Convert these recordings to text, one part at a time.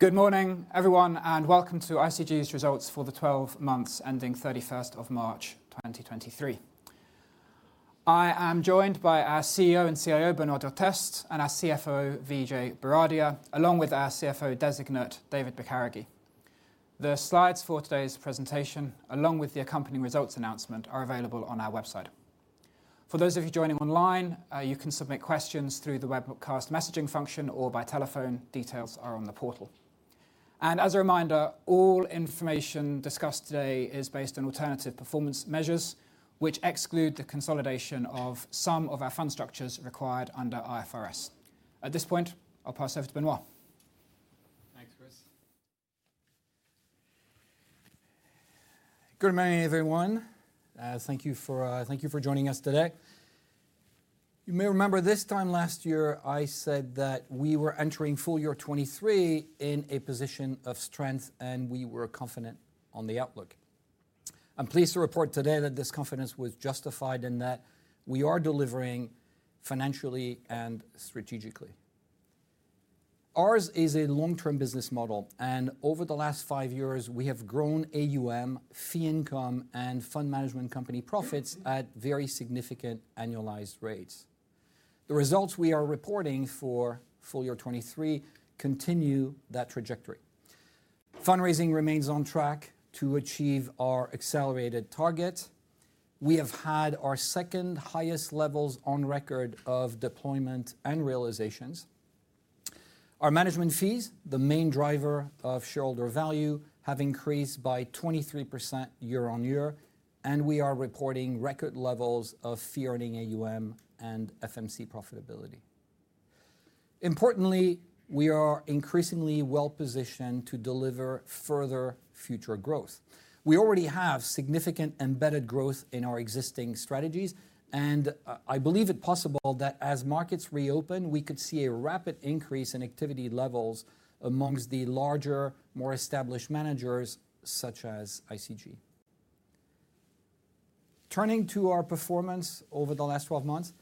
Good morning, everyone, welcome to ICG's results for the 12 months ending 31st of March, 2023. I am joined by our CEO and CIO, Benoît Durteste, and our CFO, Vijay Bharadia, along with our CFO designate, David Bicarregui. The slides for today's presentation, along with the accompanying results announcement, are available on our website. For those of you joining online, you can submit questions through the webcast messaging function or by telephone. Details are on the portal. As a reminder, all information discussed today is based on Alternative Performance Measures, which exclude the consolidation of some of our fund structures required under IFRS. At this point, I'll pass over to Benoît. Thanks, Chris. Good morning, everyone, thank you for joining us today. You may remember this time last year, I said that we were entering full year 2023 in a position of strength, we were confident on the outlook. I'm pleased to report today that this confidence was justified and that we are delivering financially and strategically. Ours is a long-term business model, over the last five years, we have grown AUM, fee income, and fund management company profits at very significant annualized rates. The results we are reporting for full year 2023 continue that trajectory. Fundraising remains on track to achieve our accelerated target. We have had our second highest levels on record of deployment and realizations. Our management fees, the main driver of shareholder value, have increased by 23% year-over-year. We are reporting record levels of fee-earning AUM and FMC profitability. Importantly, we are increasingly well-positioned to deliver further future growth. We already have significant embedded growth in our existing strategies. I believe it possible that as markets reopen, we could see a rapid increase in activity levels amongst the larger, more established managers such as ICG. Turning to our performance over the last 12 months,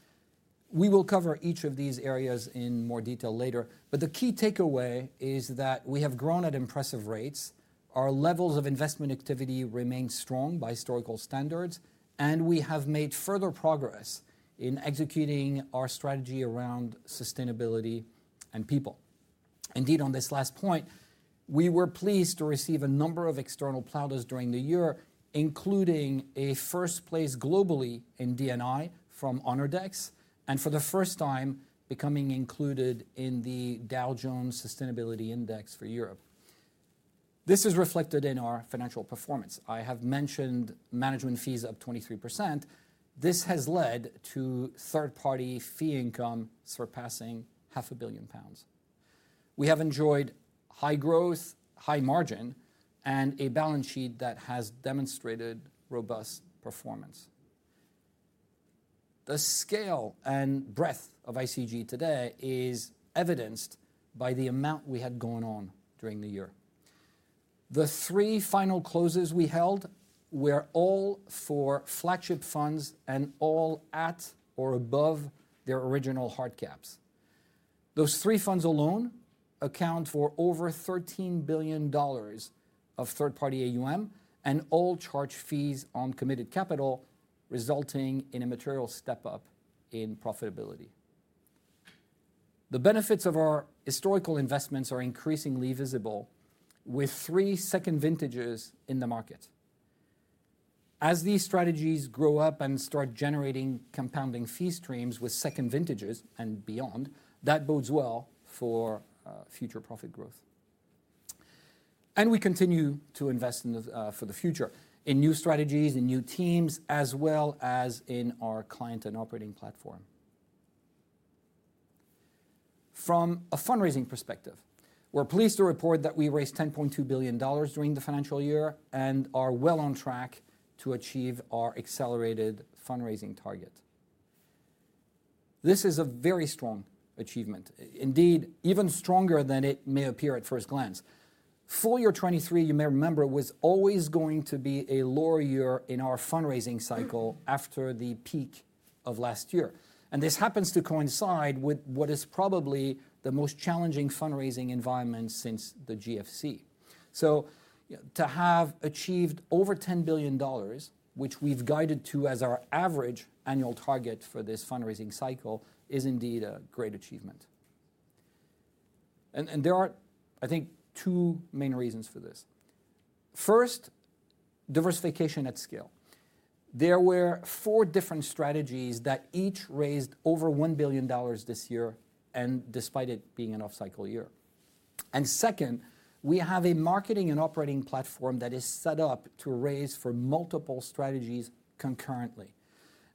we will cover each of these areas in more detail later. The key takeaway is that we have grown at impressive rates, our levels of investment activity remain strong by historical standards. We have made further progress in executing our strategy around sustainability and people. Indeed, on this last point, we were pleased to receive a number of external plaudits during the year, including a first place globally in D&I from Honordex, and for the first time, becoming included in the Dow Jones Sustainability Index for Europe. This is reflected in our financial performance. I have mentioned management fees up 23%. This has led to third-party fee income surpassing half a billion GBP. We have enjoyed high growth, high margin, and a balance sheet that has demonstrated robust performance. The scale and breadth of ICG today is evidenced by the amount we had going on during the year. The three final closes we held were all for flagship funds and all at or above their original hard caps. Those 3 funds alone account for over $13 billion of third-party AUM and all charge fees on committed capital, resulting in a material step-up in profitability. The benefits of our historical investments are increasingly visible, with three second vintages in the market. As these strategies grow up and start generating compounding fee streams with second vintages and beyond, that bodes well for future profit growth. We continue to invest in the for the future, in new strategies, in new teams, as well as in our client and operating platform. From a fundraising perspective, we're pleased to report that we raised $10.2 billion during the financial year and are well on track to achieve our accelerated fundraising target. This is a very strong achievement, indeed, even stronger than it may appear at first glance. Full year 2023, you may remember, was always going to be a lower year in our fundraising cycle after the peak of last year, and this happens to coincide with what is probably the most challenging fundraising environment since the GFC. To have achieved over $10 billion, which we've guided to as our average annual target for this fundraising cycle, is indeed a great achievement. There are, I think, two main reasons for this. First, diversification at scale. There were four different strategies that each raised over $1 billion this year and despite it being an off-cycle year. Second, we have a marketing and operating platform that is set up to raise for multiple strategies concurrently.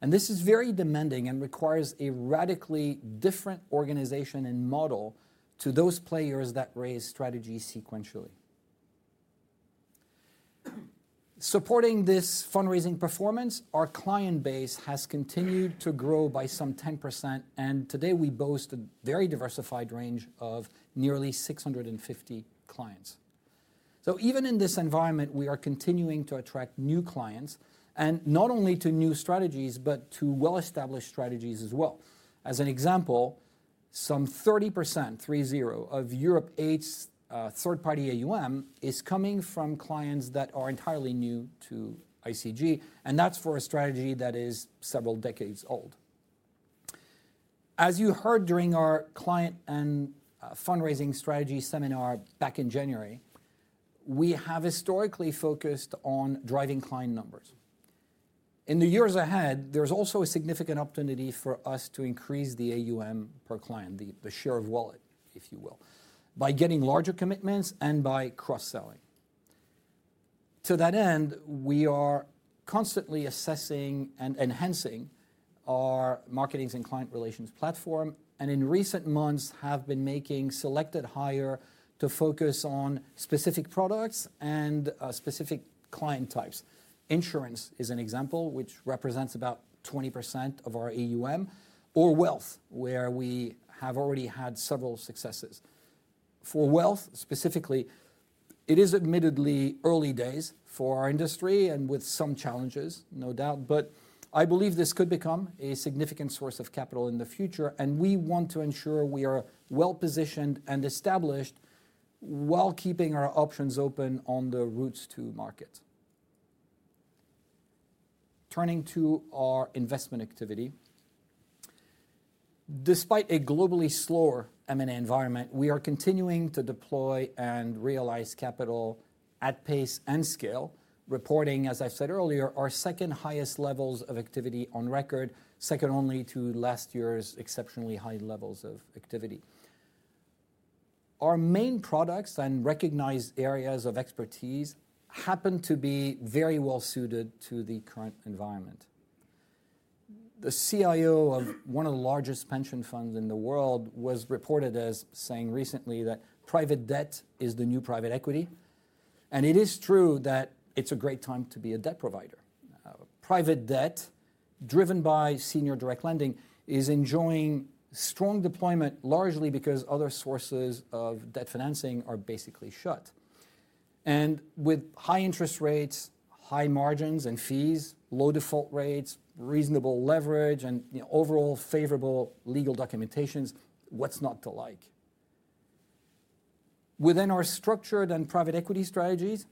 This is very demanding and requires a radically different organization and model to those players that raise strategies sequentially. Supporting this fundraising performance, our client base has continued to grow by some 10%, and today we boast a very diversified range of nearly 650 clients. Even in this environment, we are continuing to attract new clients, and not only to new strategies, but to well-established strategies as well. As an example, some 30% of Europe Eight's third-party AUM is coming from clients that are entirely new to ICG, and that's for a strategy that is several decades old. As you heard during our client and fundraising strategy seminar back in January, we have historically focused on driving client numbers. In the years ahead, there's also a significant opportunity for us to increase the AUM per client, the share of wallet, if you will, by getting larger commitments and by cross-selling. To that end, we are constantly assessing and enhancing our marketings and client relations platform, and in recent months have been making selected hire to focus on specific products and specific client types. Insurance is an example which represents about 20% of our AUM, or wealth, where we have already had several successes. Wealth, specifically, it is admittedly early days for our industry and with some challenges, no doubt, but I believe this could become a significant source of capital in the future, and we want to ensure we are well-positioned and established while keeping our options open on the routes to market. Turning to our investment activity. Despite a globally slower M&A environment, we are continuing to deploy and realize capital at pace and scale, reporting, as I said earlier, our second-highest levels of activity on record, second only to last year's exceptionally high levels of activity. Our main products and recognized areas of expertise happen to be very well suited to the current environment. The CIO of one of the largest pension funds in the world was reported as saying recently that, "Private debt is the new private equity," it is true that it's a great time to be a debt provider. Private debt, driven by senior direct lending, is enjoying strong deployment, largely because other sources of debt financing are basically shut. With high interest rates, high margins and fees, low default rates, reasonable leverage, and, you know, overall favorable legal documentations, what's not to like? Within our structured and private equity strategies,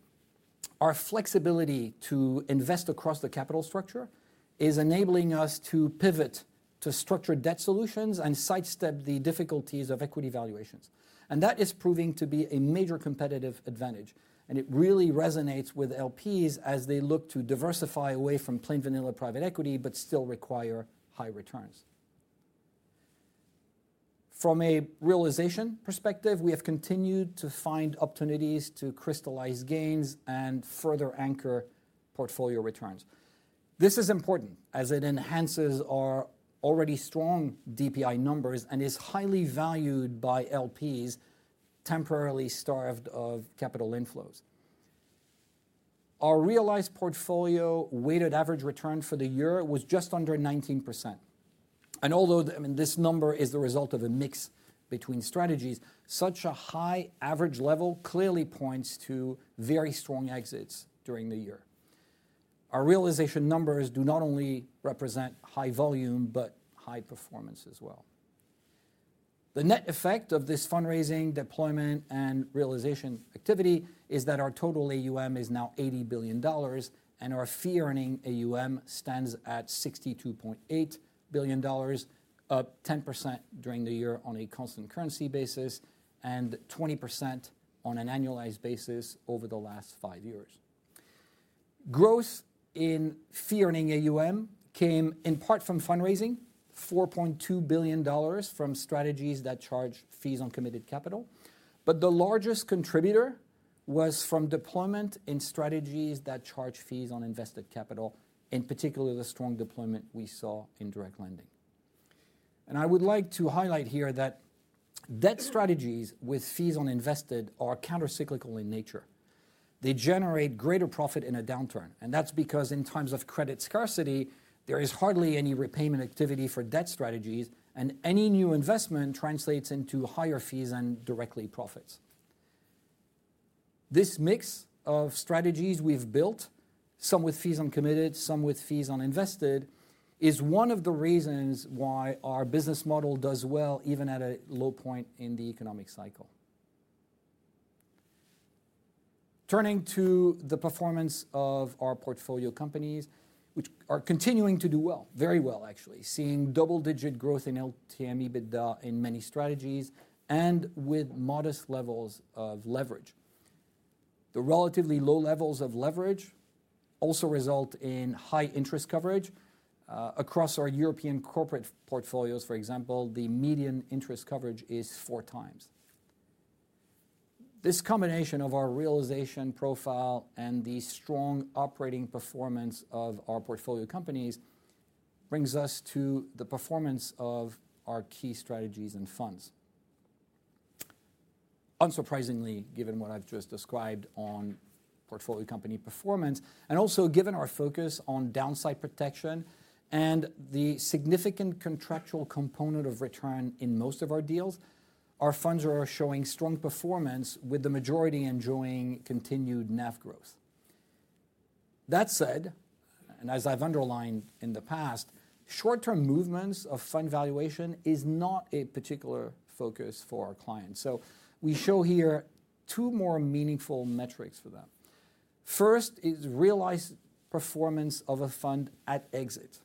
our flexibility to invest across the capital structure is enabling us to pivot to structured debt solutions and sidestep the difficulties of equity valuations. That is proving to be a major competitive advantage, and it really resonates with LPs as they look to diversify away from plain vanilla private equity, but still require high returns. From a realization perspective, we have continued to find opportunities to crystallize gains and further anchor portfolio returns. This is important as it enhances our already strong DPI numbers and is highly valued by LPs temporarily starved of capital inflows. Our realized portfolio weighted average return for the year was just under 19%, and although, I mean, this number is the result of a mix between strategies, such a high average level clearly points to very strong exits during the year. Our realization numbers do not only represent high volume, but high performance as well. The net effect of this fundraising, deployment, and realization activity is that our total AUM is now $80 billion, and our fee-earning AUM stands at $62.8 billion, up 10% during the year on a constant currency basis, and 20% on an annualized basis over the last five years. Growth in fee-earning AUM came in part from fundraising, $4.2 billion from strategies that charge fees on committed capital. The largest contributor was from deployment in strategies that charge fees on invested capital, in particular, the strong deployment we saw in direct lending. I would like to highlight here that debt strategies with fees on invested are countercyclical in nature. They generate greater profit in a downturn, and that's because in times of credit scarcity, there is hardly any repayment activity for debt strategies, and any new investment translates into higher fees and directly profits. This mix of strategies we've built, some with fees on committed, some with fees on invested, is one of the reasons why our business model does well, even at a low point in the economic cycle. Turning to the performance of our portfolio companies, which are continuing to do well, very well, actually, seeing double-digit growth in LTM EBITDA in many strategies, and with modest levels of leverage. The relatively low levels of leverage also result in high interest coverage. Across our European corporate portfolios, for example, the median interest coverage is four times. This combination of our realization profile and the strong operating performance of our portfolio companies brings us to the performance of our key strategies and funds. Unsurprisingly, given what I've just described on portfolio company performance, and also given our focus on downside protection and the significant contractual component of return in most of our deals, our funds are showing strong performance, with the majority enjoying continued NAV growth. That said, and as I've underlined in the past, short-term movements of fund valuation is not a particular focus for our clients. We show here two more meaningful metrics for them. First is realized performance of a fund at exit,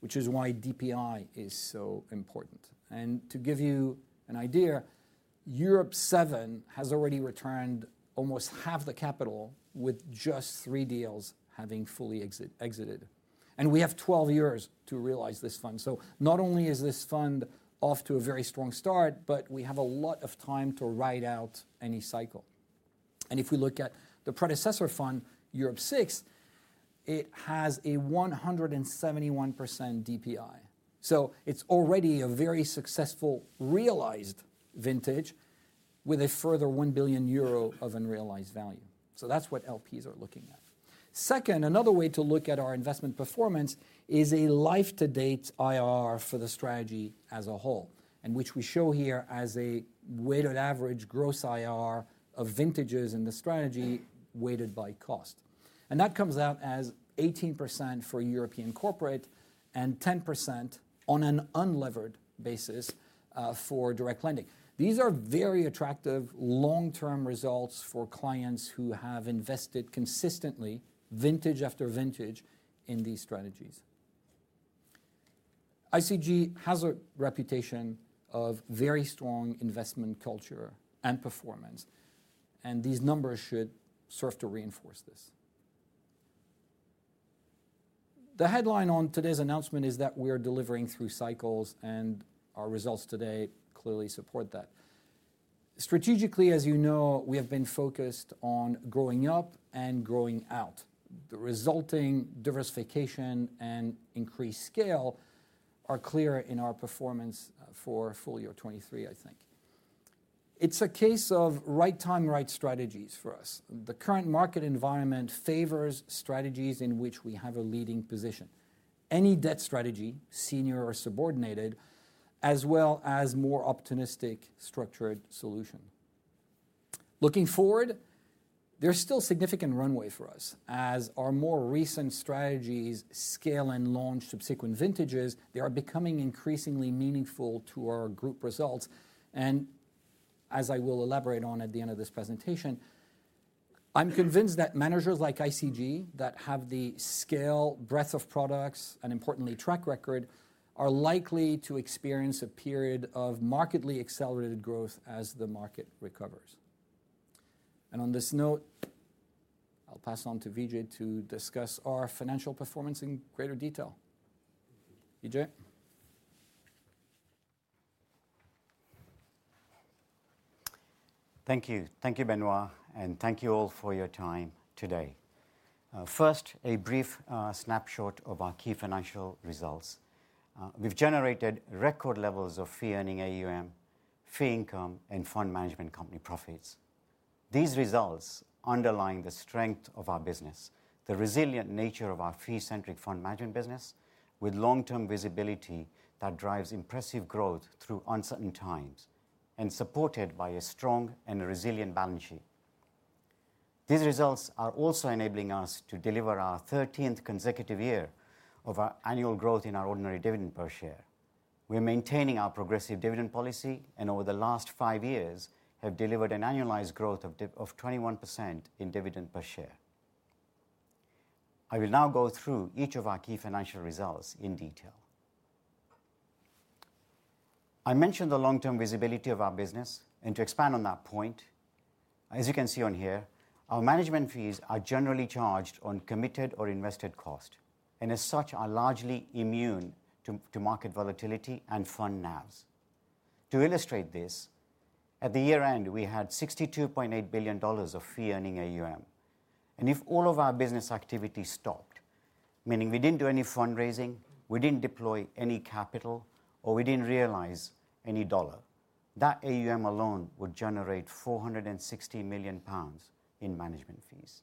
which is why DPI is so important. To give you an idea, Europe Seven has already returned almost half the capital with just three deals having fully exited, and we have 12 years to realize this fund. Not only is this fund off to a very strong start, but we have a lot of time to ride out any cycle. If we look at the predecessor fund, Europe Six, it has a 171% DPI, so it's already a very successful realized vintage with a further 1 billion euro of unrealized value. That's what LPs are looking at. Second, another way to look at our investment performance is a life-to-date IRR for the strategy as a whole, and which we show here as a weighted average gross IRR of vintages in the strategy, weighted by cost. That comes out as 18% for European corporate and 10% on an unlevered basis for direct lending. These are very attractive long-term results for clients who have invested consistently, vintage after vintage, in these strategies. ICG has a reputation of very strong investment culture and performance, and these numbers should serve to reinforce this. The headline on today's announcement is that we are delivering through cycles, and our results today clearly support that. Strategically, as you know, we have been focused on growing up and growing out. The resulting diversification and increased scale are clear in our performance for full year 2023, I think. It's a case of right time, right strategies for us. The current market environment favors strategies in which we have a leading position. Any debt strategy, senior or subordinated, as well as more optimistic structured solution. Looking forward, there's still significant runway for us. As our more recent strategies scale and launch subsequent vintages, they are becoming increasingly meaningful to our group results. As I will elaborate on at the end of this presentation, I'm convinced that managers like ICG, that have the scale, breadth of products, and importantly, track record, are likely to experience a period of markedly accelerated growth as the market recovers. On this note, I'll pass on to Vijay to discuss our financial performance in greater detail. Vijay? Thank you. Thank you, Benoît, and thank you all for your time today. First, a brief snapshot of our key financial results. We've generated record levels of fee-earning AUM, fee income, and fund management company profits. These results underline the strength of our business, the resilient nature of our fee-centric fund management business, with long-term visibility that drives impressive growth through uncertain times, and supported by a strong and resilient balance sheet. These results are also enabling us to deliver our 13th consecutive year of our annual growth in our ordinary dividend per share. We are maintaining our progressive dividend policy and over the last five years have delivered an annualized growth of 21% in dividend per share. I will now go through each of our key financial results in detail. I mentioned the long-term visibility of our business, and to expand on that point, as you can see on here, our management fees are generally charged on committed or invested cost, and as such, are largely immune to market volatility and fund NAVs. To illustrate this, at the year-end, we had $62.8 billion of fee-earning AUM, and if all of our business activity stopped, meaning we didn't do any fundraising, we didn't deploy any capital, or we didn't realize any dollar, that AUM alone would generate 460 million pounds in management fees.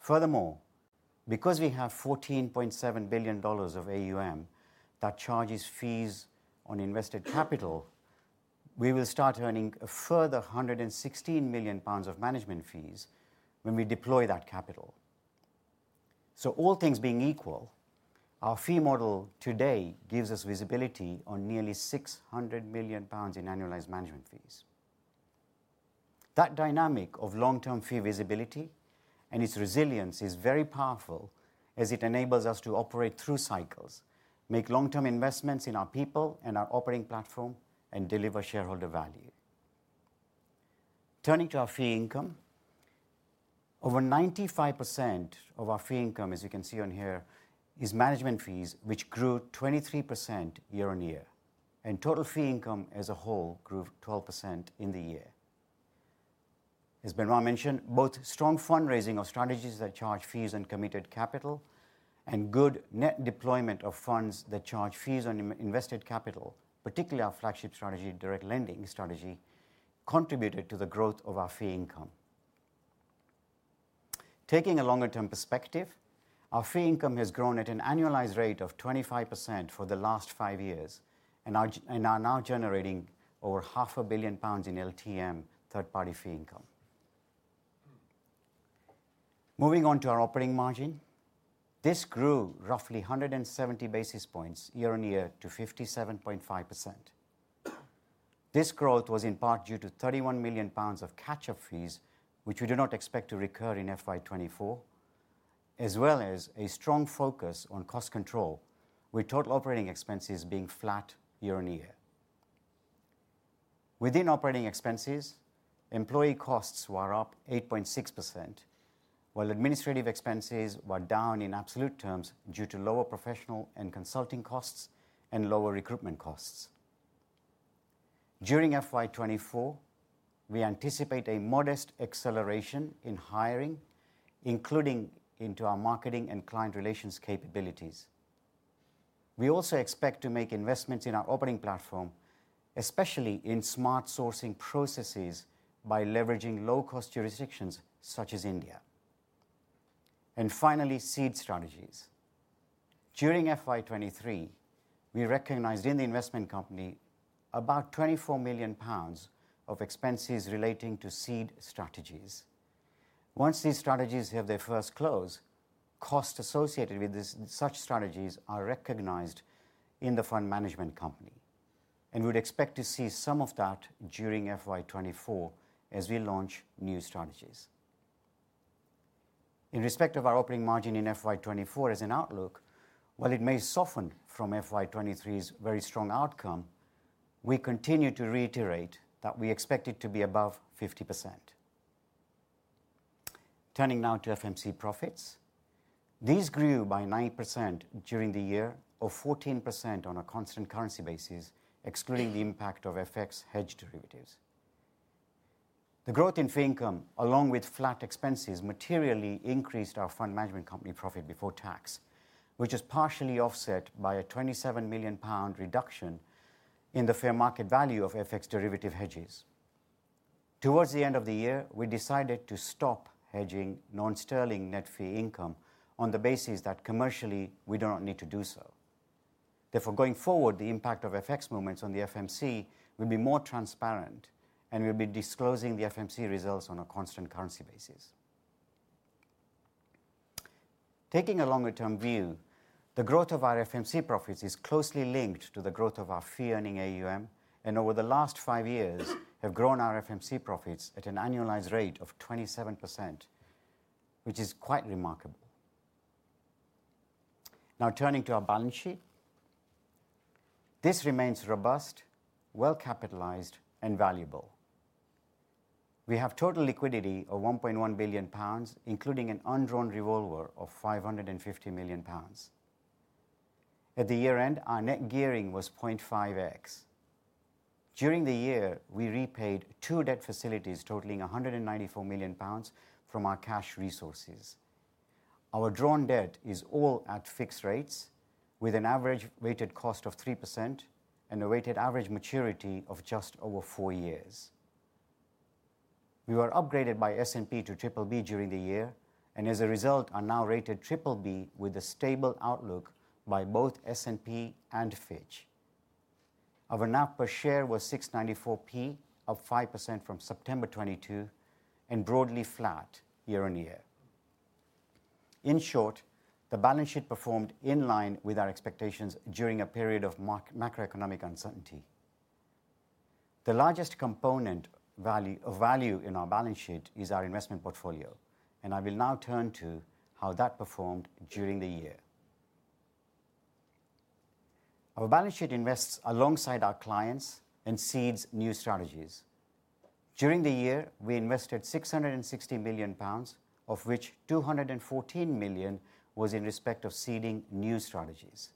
Furthermore, because we have $14.7 billion of AUM that charges fees on invested capital, we will start earning a further 116 million pounds of management fees when we deploy that capital. All things being equal, our fee model today gives us visibility on nearly 600 million pounds in annualized management fees. That dynamic of long-term fee visibility and its resilience is very powerful, as it enables us to operate through cycles, make long-term investments in our people and our operating platform, and deliver shareholder value. Turning to our fee income. Over 95% of our fee income, as you can see on here, is management fees, which grew 23% year-on-year, and total fee income as a whole grew 12% in the year. As Benoît mentioned, both strong fundraising of strategies that charge fees and committed capital and good net deployment of funds that charge fees on invested capital, particularly our flagship strategy, direct lending strategy, contributed to the growth of our fee income. Taking a longer-term perspective, our fee income has grown at an annualized rate of 25% for the last five years and are now generating over half a billion pounds in LTM third-party fee income. Moving on to our operating margin. This grew roughly 170 basis points year-on-year to 57.5%. This growth was in part due to 31 million pounds of catch-up fees, which we do not expect to recur in FY 2024, as well as a strong focus on cost control, with total operating expenses being flat year-on-year. Within operating expenses, employee costs were up 8.6%, while administrative expenses were down in absolute terms due to lower professional and consulting costs and lower recruitment costs. During FY 2024, we anticipate a modest acceleration in hiring, including into our marketing and client relations capabilities. We also expect to make investments in our operating platform, especially in smart sourcing processes, by leveraging low-cost jurisdictions such as India. Finally, seed strategies. During FY 2023, we recognized in the investment company about 24 million pounds of expenses relating to seed strategies. Once these strategies have their first close, costs associated with such strategies are recognized in the fund management company, and we'd expect to see some of that during FY 2024 as we launch new strategies. In respect of our operating margin in FY 2024 as an outlook, while it may soften from FY 2023's very strong outcome, we continue to reiterate that we expect it to be above 50%. Turning now to FMC profits. These grew by 9% during the year, or 14% on a constant currency basis, excluding the impact of FX hedge derivatives. The growth in fee income, along with flat expenses, materially increased our fund management company profit before tax, which is partially offset by a 27 million pound reduction in the fair market value of FX derivative hedges. Towards the end of the year, we decided to stop hedging non-sterling net fee income on the basis that commercially we do not need to do so. Going forward, the impact of FX movements on the FMC will be more transparent, and we'll be disclosing the FMC results on a constant currency basis. Taking a longer-term view, the growth of our FMC profits is closely linked to the growth of our fee-earning AUM, and over the last five years, have grown our FMC profits at an annualized rate of 27%, which is quite remarkable. Turning to our balance sheet. This remains robust, well-capitalized, and valuable. We have total liquidity of 1.1 billion pounds, including an undrawn revolver of 550 million pounds. At the year-end, our net gearing was 0.5x. During the year, we repaid two debt facilities totaling 194 million pounds from our cash resources. Our drawn debt is all at fixed rates, with an average weighted cost of 3% and a weighted average maturity of just over four years. We were upgraded by S&P to BBB during the year and as a result, are now rated BBB with a stable outlook by both S&P and Fitch. Our NAV per share was 694p, up 5% from September 2022, and broadly flat year-on-year. In short, the balance sheet performed in line with our expectations during a period of macroeconomic uncertainty. The largest component value, of value in our balance sheet is our investment portfolio, and I will now turn to how that performed during the year. Our balance sheet invests alongside our clients and seeds new strategies. During the year, we invested 660 million pounds, of which 214 million was in respect of seeding new strategies.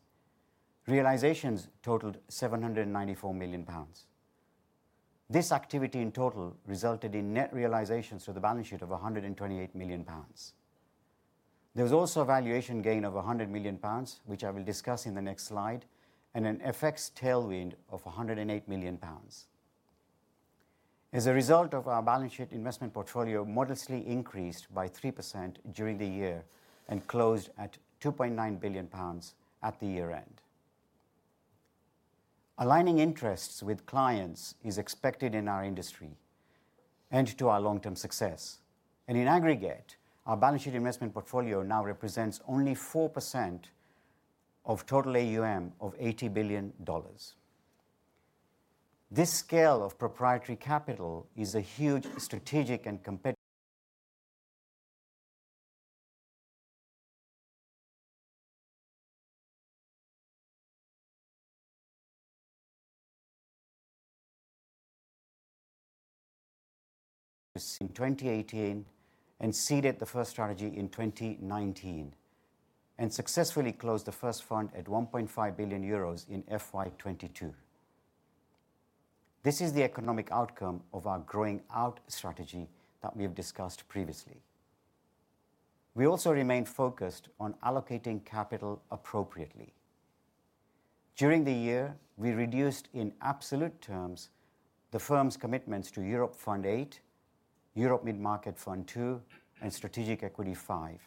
Realizations totaled 794 million pounds. This activity in total resulted in net realizations for the balance sheet of 128 million pounds. There was also a valuation gain of 100 million pounds, which I will discuss in the next slide, and an FX tailwind of 108 million pounds. As a result of our balance sheet investment portfolio modestly increased by 3% during the year and closed at 2.9 billion pounds at the year-end. Aligning interests with clients is expected in our industry and to our long-term success. In aggregate, our balance sheet investment portfolio now represents only 4% of total AUM of $80 billion. This scale of proprietary capital is a huge strategic and in 2018 and seeded the first strategy in 2019, and successfully closed the first fund at 1.5 billion euros in FY 2022. This is the economic outcome of our growing out strategy that we have discussed previously. We also remain focused on allocating capital appropriately. During the year, we reduced, in absolute terms, the firm's commitments to ICG Europe Fund VIII, ICG Europe Mid-Market Fund II, and ICG Strategic Equity Fund V,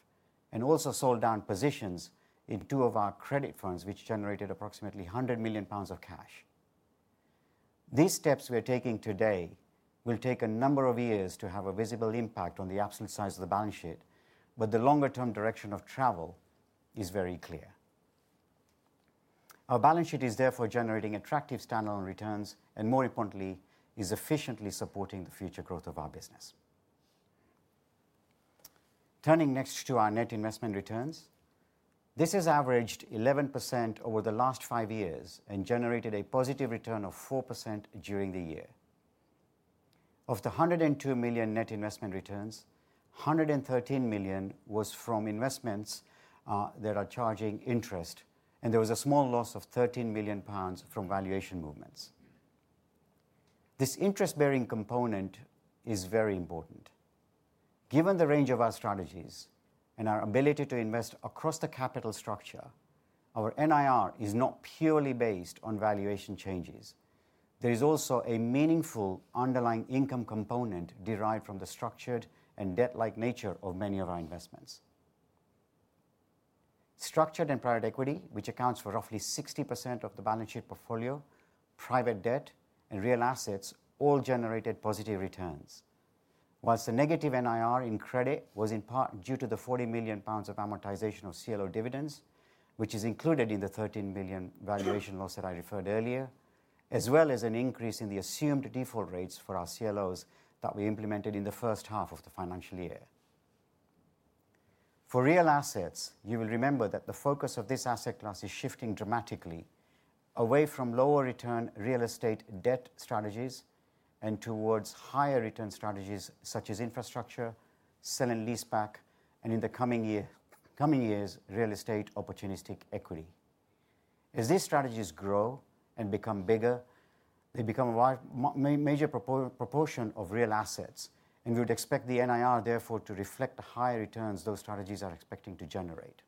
and also sold down positions in two of our credit funds, which generated approximately 100 million pounds of cash. These steps we are taking today will take a number of years to have a visible impact on the absolute size of the balance sheet. The longer-term direction of travel is very clear. Our balance sheet is therefore generating attractive standalone returns and, more importantly, is efficiently supporting the future growth of our business. Turning next to our net investment returns. This has averaged 11% over the last five years and generated a positive return of 4% during the year. Of the 102 million net investment returns, 113 million was from investments that are charging interest, and there was a small loss of 13 million pounds from valuation movements. This interest-bearing component is very important. Given the range of our strategies and our ability to invest across the capital structure, our NIR is not purely based on valuation changes. There is also a meaningful underlying income component derived from the structured and debt-like nature of many of our investments. Structured and private equity, which accounts for roughly 60% of the balance sheet portfolio, private debt, and real assets all generated positive returns. The negative NIR in credit was in part due to the 40 million pounds of amortization of CLO dividends, which is included in the 13 billion valuation loss that I referred earlier, as well as an increase in the assumed default rates for our CLOs that we implemented in the first half of the financial year. For real assets, you will remember that the focus of this asset class is shifting dramatically away from lower return real estate debt strategies and towards higher return strategies such as infrastructure, sale and leaseback, and in the coming years, Real Estate Opportunistic Equity. As these strategies grow and become bigger, they become a major proportion of real assets, and we would expect the NIR, therefore, to reflect the higher returns those strategies are expecting to generate.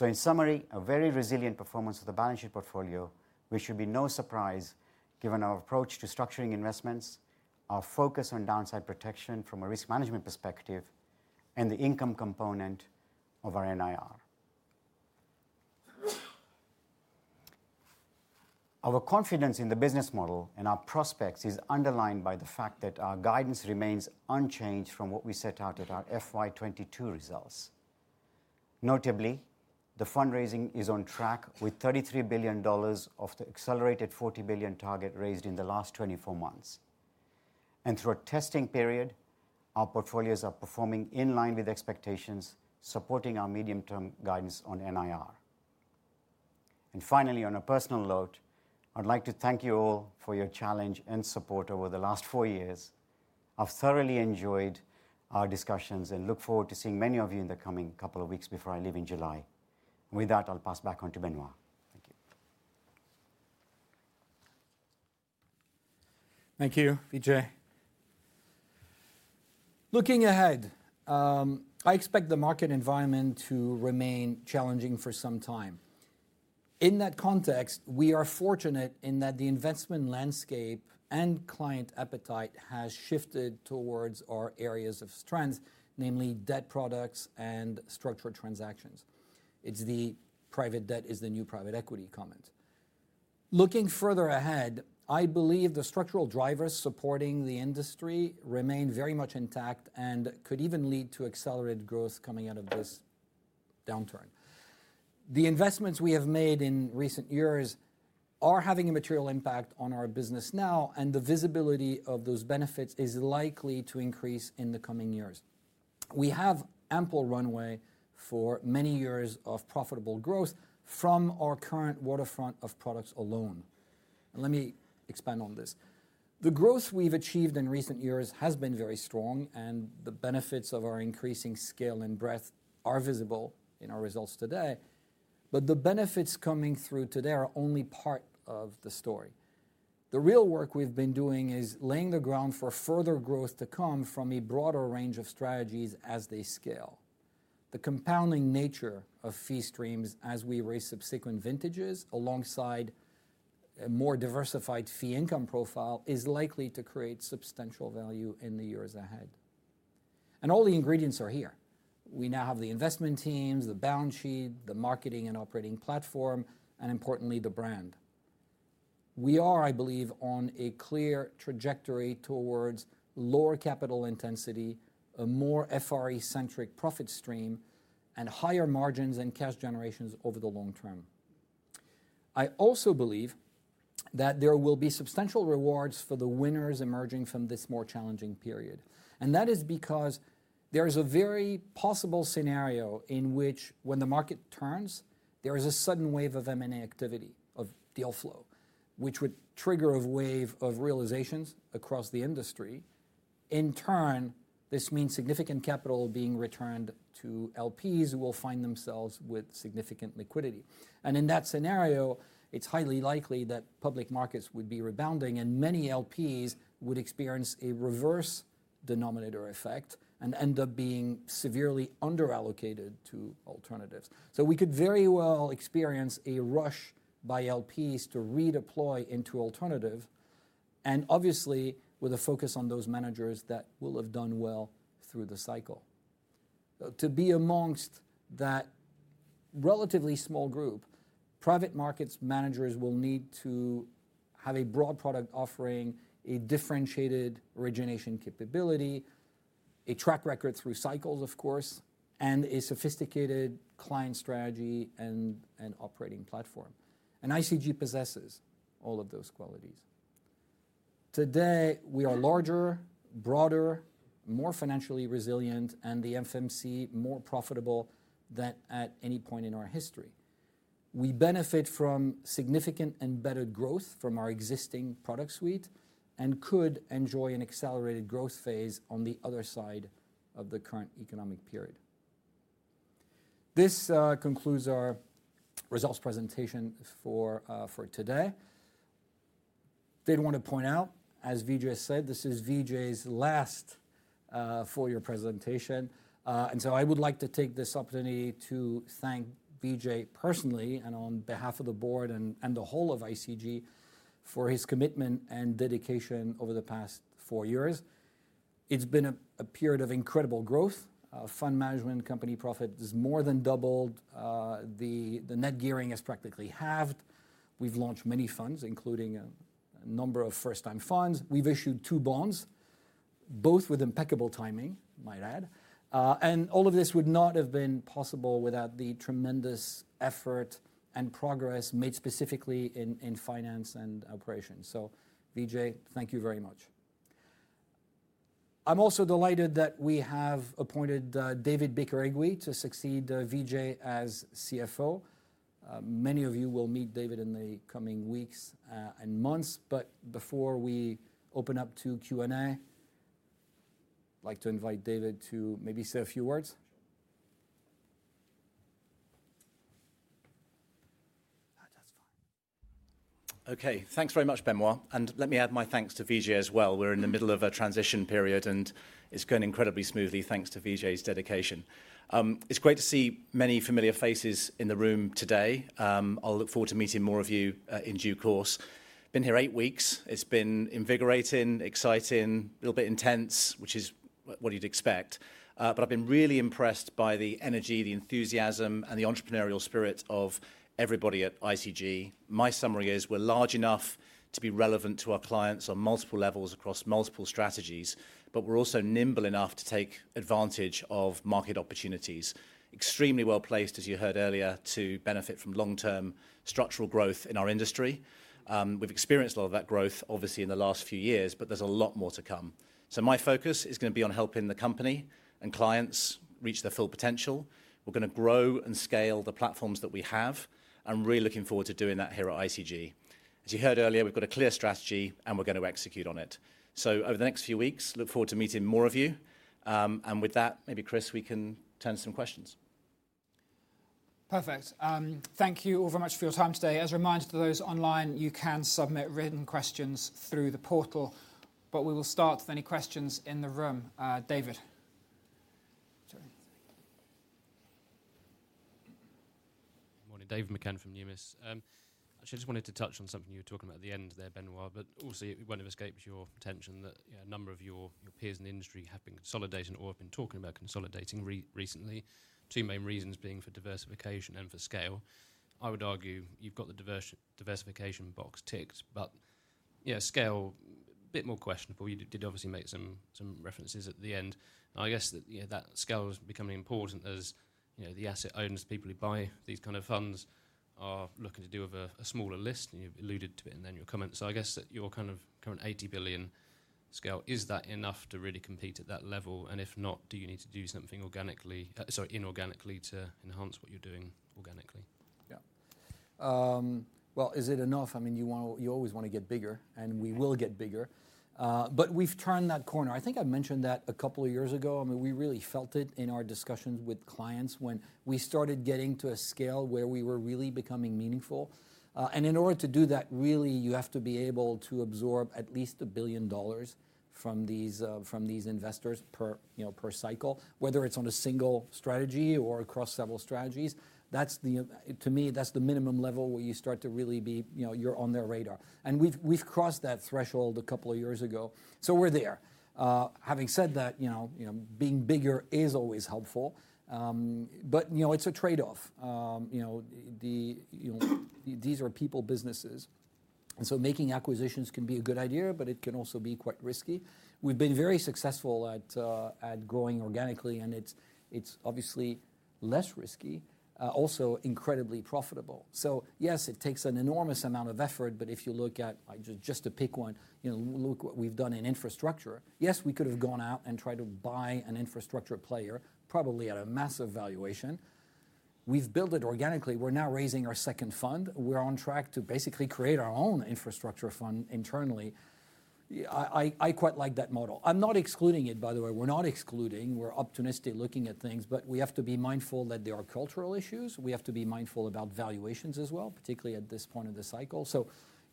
In summary, a very resilient performance of the balance sheet portfolio, which should be no surprise given our approach to structuring investments, our focus on downside protection from a risk management perspective, and the income component of our NIR. Our confidence in the business model and our prospects is underlined by the fact that our guidance remains unchanged from what we set out at our FY 2022 results. Notably, the fundraising is on track with $33 billion of the accelerated $40 billion target raised in the last 24 months. Through a testing period, our portfolios are performing in line with expectations, supporting our medium-term guidance on NIR. Finally, on a personal note, I'd like to thank you all for your challenge and support over the last four years. I've thoroughly enjoyed our discussions and look forward to seeing many of you in the coming couple of weeks before I leave in July. With that, I'll pass back on to Benoît. Thank you. Thank you, Vijay. Looking ahead, I expect the market environment to remain challenging for some time. In that context, we are fortunate in that the investment landscape and client appetite has shifted towards our areas of strength, namely debt products and structured transactions. It's the private debt is the new private equity comment. Looking further ahead, I believe the structural drivers supporting the industry remain very much intact and could even lead to accelerated growth coming out of this downturn. The investments we have made in recent years are having a material impact on our business now, and the visibility of those benefits is likely to increase in the coming years. We have ample runway for many years of profitable growth from our current waterfront of products alone, and let me expand on this. The growth we've achieved in recent years has been very strong, and the benefits of our increasing scale and breadth are visible in our results today. The benefits coming through today are only part of the story. The real work we've been doing is laying the ground for further growth to come from a broader range of strategies as they scale. The compounding nature of fee streams as we raise subsequent vintages, alongside a more diversified fee income profile, is likely to create substantial value in the years ahead. All the ingredients are here. We now have the investment teams, the balance sheet, the marketing and operating platform, and importantly, the brand. We are, I believe, on a clear trajectory towards lower capital intensity, a more FRE-centric profit stream, and higher margins and cash generations over the long term. I also believe that there will be substantial rewards for the winners emerging from this more challenging period, and that is because there is a very possible scenario in which when the market turns, there is a sudden wave of M&A activity, of deal flow, which would trigger a wave of realizations across the industry. In turn, this means significant capital being returned to LPs, who will find themselves with significant liquidity. In that scenario, it's highly likely that public markets would be rebounding, and many LPs would experience a reverse denominator effect and end up being severely under-allocated to alternatives. We could very well experience a rush by LPs to redeploy into alternative, and obviously, with a focus on those managers that will have done well through the cycle. To be amongst that relatively small group, private markets managers will need to have a broad product offering, a differentiated origination capability, a track record through cycles, of course, and a sophisticated client strategy and operating platform. ICG possesses all of those qualities. Today, we are larger, broader, more financially resilient, and the FMC more profitable than at any point in our history. We benefit from significant and better growth from our existing product suite and could enjoy an accelerated growth phase on the other side of the current economic period. This concludes our results presentation for today. Did want to point out, as Vijay said, this is Vijay's last full year presentation. I would like to take this opportunity to thank Vijay personally and on behalf of the board and the whole of ICG for his commitment and dedication over the past four years. It's been a period of incredible growth. Fund management company profit has more than doubled. The net gearing has practically halved. We've launched many funds, including a number of first-time funds. We've issued two bonds, both with impeccable timing, I might add. All of this would not have been possible without the tremendous effort and progress made specifically in finance and operations. Vijay, thank you very much. I'm also delighted that we have appointed David Bicarregui to succeed Vijay as CFO. Many of you will meet David in the coming weeks, and months, but before we open up to Q&A, I'd like to invite David to maybe say a few words. That's fine. Thanks very much, Benoît, let me add my thanks to Vijay as well. We're in the middle of a transition period, it's going incredibly smoothly, thanks to Vijay's dedication. It's great to see many familiar faces in the room today. I'll look forward to meeting more of you in due course. Been here eight weeks. It's been invigorating, exciting, a little bit intense, which is what you'd expect. I've been really impressed by the energy, the enthusiasm, and the entrepreneurial spirit of everybody at ICG. My summary is, we're large enough to be relevant to our clients on multiple levels across multiple strategies, we're also nimble enough to take advantage of market opportunities. Extremely well-placed, as you heard earlier, to benefit from long-term structural growth in our industry. We've experienced a lot of that growth, obviously, in the last few years, but there's a lot more to come. My focus is gonna be on helping the company and clients reach their full potential. We're gonna grow and scale the platforms that we have. I'm really looking forward to doing that here at ICG. As you heard earlier, we've got a clear strategy, and we're going to execute on it. Over the next few weeks, look forward to meeting more of you. With that, maybe, Chris, we can turn to some questions. Perfect. Thank you all very much for your time today. As a reminder to those online, you can submit written questions through the portal, we will start with any questions in the room. David? Sorry. Morning. David McCann from Numis. I just wanted to touch on something you were talking about at the end there, Benoît, but obviously, it won't have escaped your attention that, you know, a number of your peers in the industry have been consolidating or have been talking about consolidating recently. Two main reasons being for diversification and for scale. I would argue you've got the diversification box ticked, but, yeah, scale, bit more questionable. You did obviously make some references at the end. I guess that, you know, that scale is becoming important as, you know, the asset owners, people who buy these kind of funds, are looking to do with a smaller list, and you've alluded to it in then your comments. I guess that your kind of current 80 billion scale, is that enough to really compete at that level? If not, do you need to do something sorry, inorganically to enhance what you're doing organically? Yeah. Well, is it enough? I mean, you always want to get bigger, and we will get bigger. We've turned that corner. I think I mentioned that a couple of years ago. I mean, we really felt it in our discussions with clients when we started getting to a scale where we were really becoming meaningful. In order to do that, really, you have to be able to absorb at least $1 billion from these, from these investors per, you know, per cycle, whether it's on a single strategy or across several strategies. To me, that's the minimum level where you start to really be, you know, you're on their radar. We've crossed that threshold a couple of years ago, so we're there. Having said that, you know, you know, being bigger is always helpful, but, you know, it's a trade-off. You know, the, you know, these are people businesses, and so making acquisitions can be a good idea, but it can also be quite risky. We've been very successful at growing organically, and it's obviously less risky, also incredibly profitable. Yes, it takes an enormous amount of effort, but if you look at, just to pick one, you know, look what we've done in infrastructure. Yes, we could have gone out and tried to buy an infrastructure player, probably at a massive valuation. We've built it organically. We're now raising our second fund. We're on track to basically create our own infrastructure fund internally. Yeah, I quite like that model. I'm not excluding it, by the way. We're not excluding, we're optimistic looking at things, but we have to be mindful that there are cultural issues. We have to be mindful about valuations as well, particularly at this point in the cycle.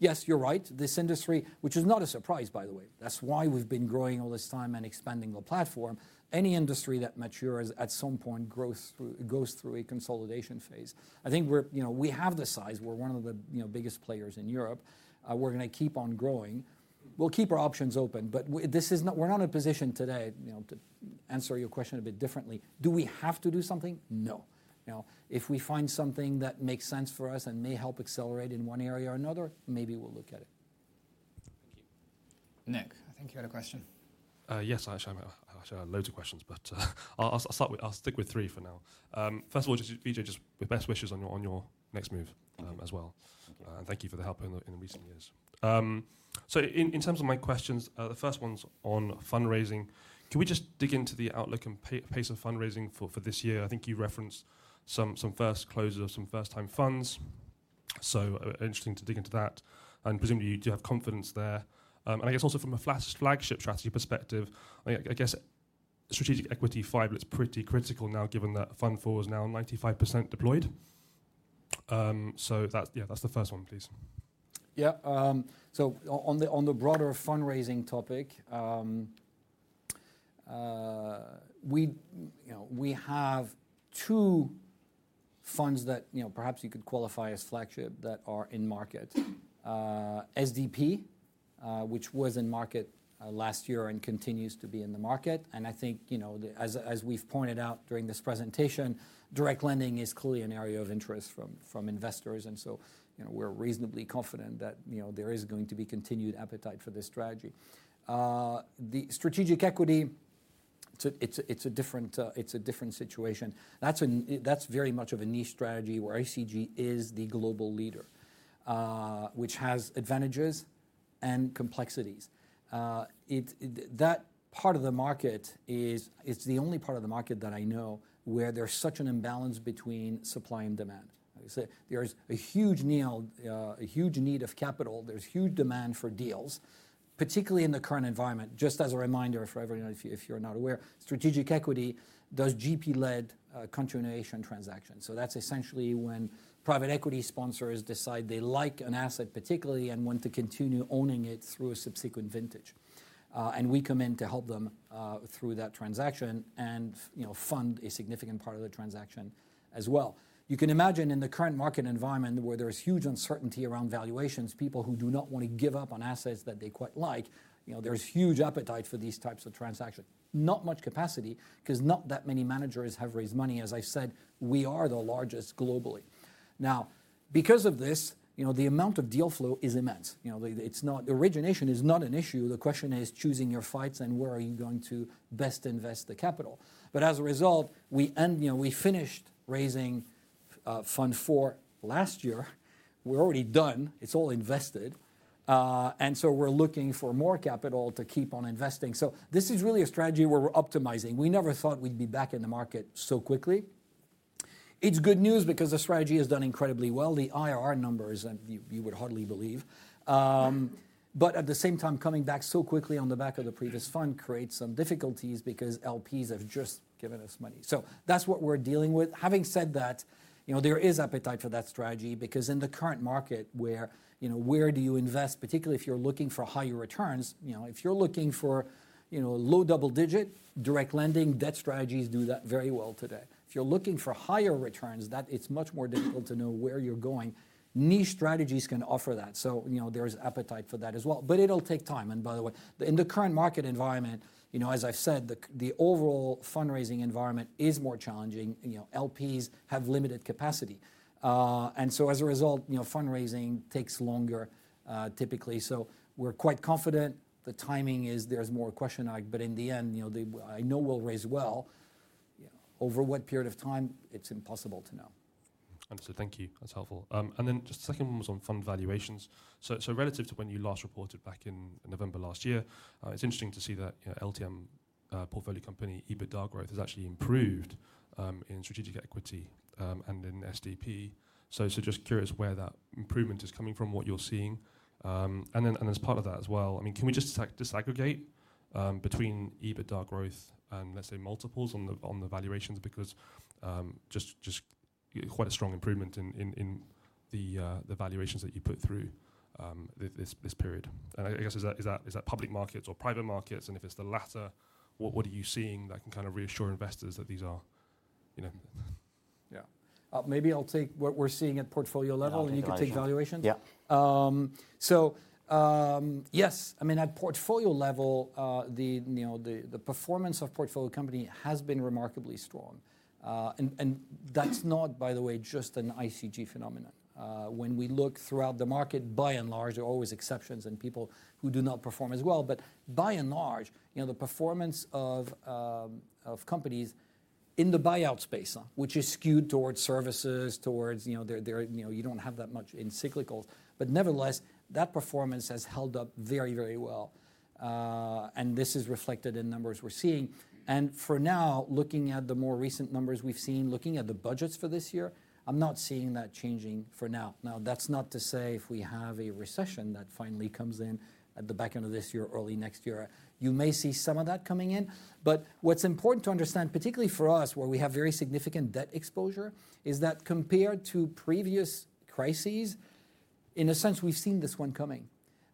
Yes, you're right, this industry, which is not a surprise, by the way, that's why we've been growing all this time and expanding the platform. Any industry that matures, at some point, goes through a consolidation phase. I think we're, you know, we have the size, we're one of the, you know, biggest players in Europe. We're gonna keep on growing. We'll keep our options open, but we're not in a position today, you know, to answer your question a bit differently, do we have to do something? No. You know, if we find something that makes sense for us and may help accelerate in one area or another, maybe we'll look at it. Nick, I think you had a question. Yes, I actually have loads of questions. I'll stick with three for now. First of all, just, Vijay, the best wishes on your next move as well. Thank you. Thank you for the help in recent years. In terms of my questions, the first one's on fundraising. Can we just dig into the outlook and pace of fundraising for this year? I think you referenced some first closures of some first-time funds, so interesting to dig into that, and presumably you do have confidence there. I guess also from a flagship strategy perspective, I guess Strategic Equity V is pretty critical now, given that Fund IV is now 95% deployed. That's, yeah, that's the first one, please. On the broader fundraising topic, we, you know, we have two funds that, you know, perhaps you could qualify as flagship that are in market. SDP, which was in market last year and continues to be in the market. I think, you know, as we've pointed out during this presentation, direct lending is clearly an area of interest from investors. You know, we're reasonably confident that, you know, there is going to be continued appetite for this strategy. The Strategic Equity, it's a different situation. That's very much of a niche strategy where ICG is the global leader, which has advantages and complexities. That part of the market is, it's the only part of the market that I know where there's such an imbalance between supply and demand. Like I say, there is a huge need, a huge need of capital, there's huge demand for deals, particularly in the current environment. Just as a reminder for everyone, if you, if you're not aware, Strategic Equity does GP-led continuation transactions. That's essentially when private equity sponsors decide they like an asset particularly and want to continue owning it through a subsequent vintage. We come in to help them through that transaction and, you know, fund a significant part of the transaction as well. You can imagine in the current market environment, where there is huge uncertainty around valuations, people who do not want to give up on assets that they quite like, you know, there is huge appetite for these types of transactions. Not much capacity, 'cause not that many managers have raised money. As I said, we are the largest globally. Because of this, you know, the amount of deal flow is immense. Origination is not an issue, the question is choosing your fights and where are you going to best invest the capital. As a result, we finished raising Fund IV last year. We're already done. It's all invested. We're looking for more capital to keep on investing. This is really a strategy where we're optimizing. We never thought we'd be back in the market so quickly. It's good news because the strategy has done incredibly well. The IRR numbers, you would hardly believe. At the same time, coming back so quickly on the back of the previous fund creates some difficulties because LPs have just given us money. That's what we're dealing with. Having said that, you know, there is appetite for that strategy because in the current market where, you know, where do you invest, particularly if you're looking for higher returns, you know, if you're looking for, you know, low double digit, direct lending, debt strategies do that very well today. If you're looking for higher returns, it's much more difficult to know where you're going. Niche strategies can offer that, you know, there's appetite for that as well. It'll take time, and by the way, in the current market environment, you know, as I've said, the overall fundraising environment is more challenging. You know, LPs have limited capacity. As a result, you know, fundraising takes longer typically. We're quite confident. The timing is, there's more question on, but in the end, you know, I know we'll raise well. Over what period of time? It's impossible to know. Understood. Thank you. That's helpful. Just the second one was on fund valuations. Relative to when you last reported back in November last year, it's interesting to see that, you know, LTM portfolio company EBITDA growth has actually improved in Strategic Equity and in SDP. Just curious where that improvement is coming from, what you're seeing. Then, as part of that as well, I mean, can we just disaggregate between EBITDA growth and, let's say, multiples on the valuations? Just quite a strong improvement in the valuations that you put through this period. I guess, is that public markets or private markets? If it's the latter, what are you seeing that can kind of reassure investors that these are, you know? Yeah. maybe I'll take what we're seeing at portfolio level. Valuations. You can take valuations. Yeah. Yes, I mean, at portfolio level, the performance of portfolio company has been remarkably strong. That's not, by the way, just an ICG phenomenon. When we look throughout the market, by and large, there are always exceptions and people who do not perform as well, but by and large, you know, the performance of companies in the buyout space, which is skewed towards services, towards, you know, you don't have that much in cyclical. Nevertheless, that performance has held up very, very well, and this is reflected in numbers we're seeing. For now, looking at the more recent numbers we've seen, looking at the budgets for this year, I'm not seeing that changing for now. Now, that's not to say if we have a recession that finally comes in at the back end of this year or early next year, you may see some of that coming in. What's important to understand, particularly for us, where we have very significant debt exposure, is that compared to previous crises, in a sense, we've seen this one coming.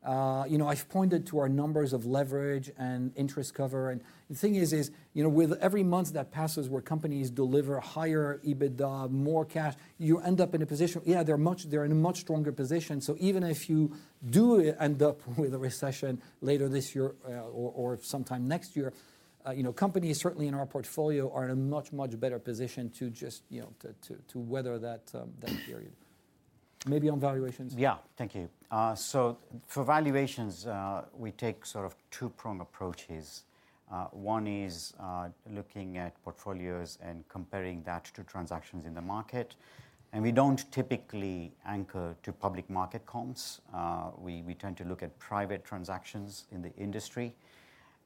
You know, I've pointed to our numbers of leverage and interest cover, and the thing is, you know, with every month that passes where companies deliver higher EBITDA, more cash, you end up in a position. Yeah, they're in a much stronger position. Even if you do end up with a recession later this year, or sometime next year, you know, companies certainly in our portfolio are in a much better position to just, you know, to weather that period. Maybe on valuations? Yeah. Thank you. For valuations, we take sort of two-prong approaches. One is looking at portfolios and comparing that to transactions in the market, and we don't typically anchor to public market comps. We tend to look at private transactions in the industry,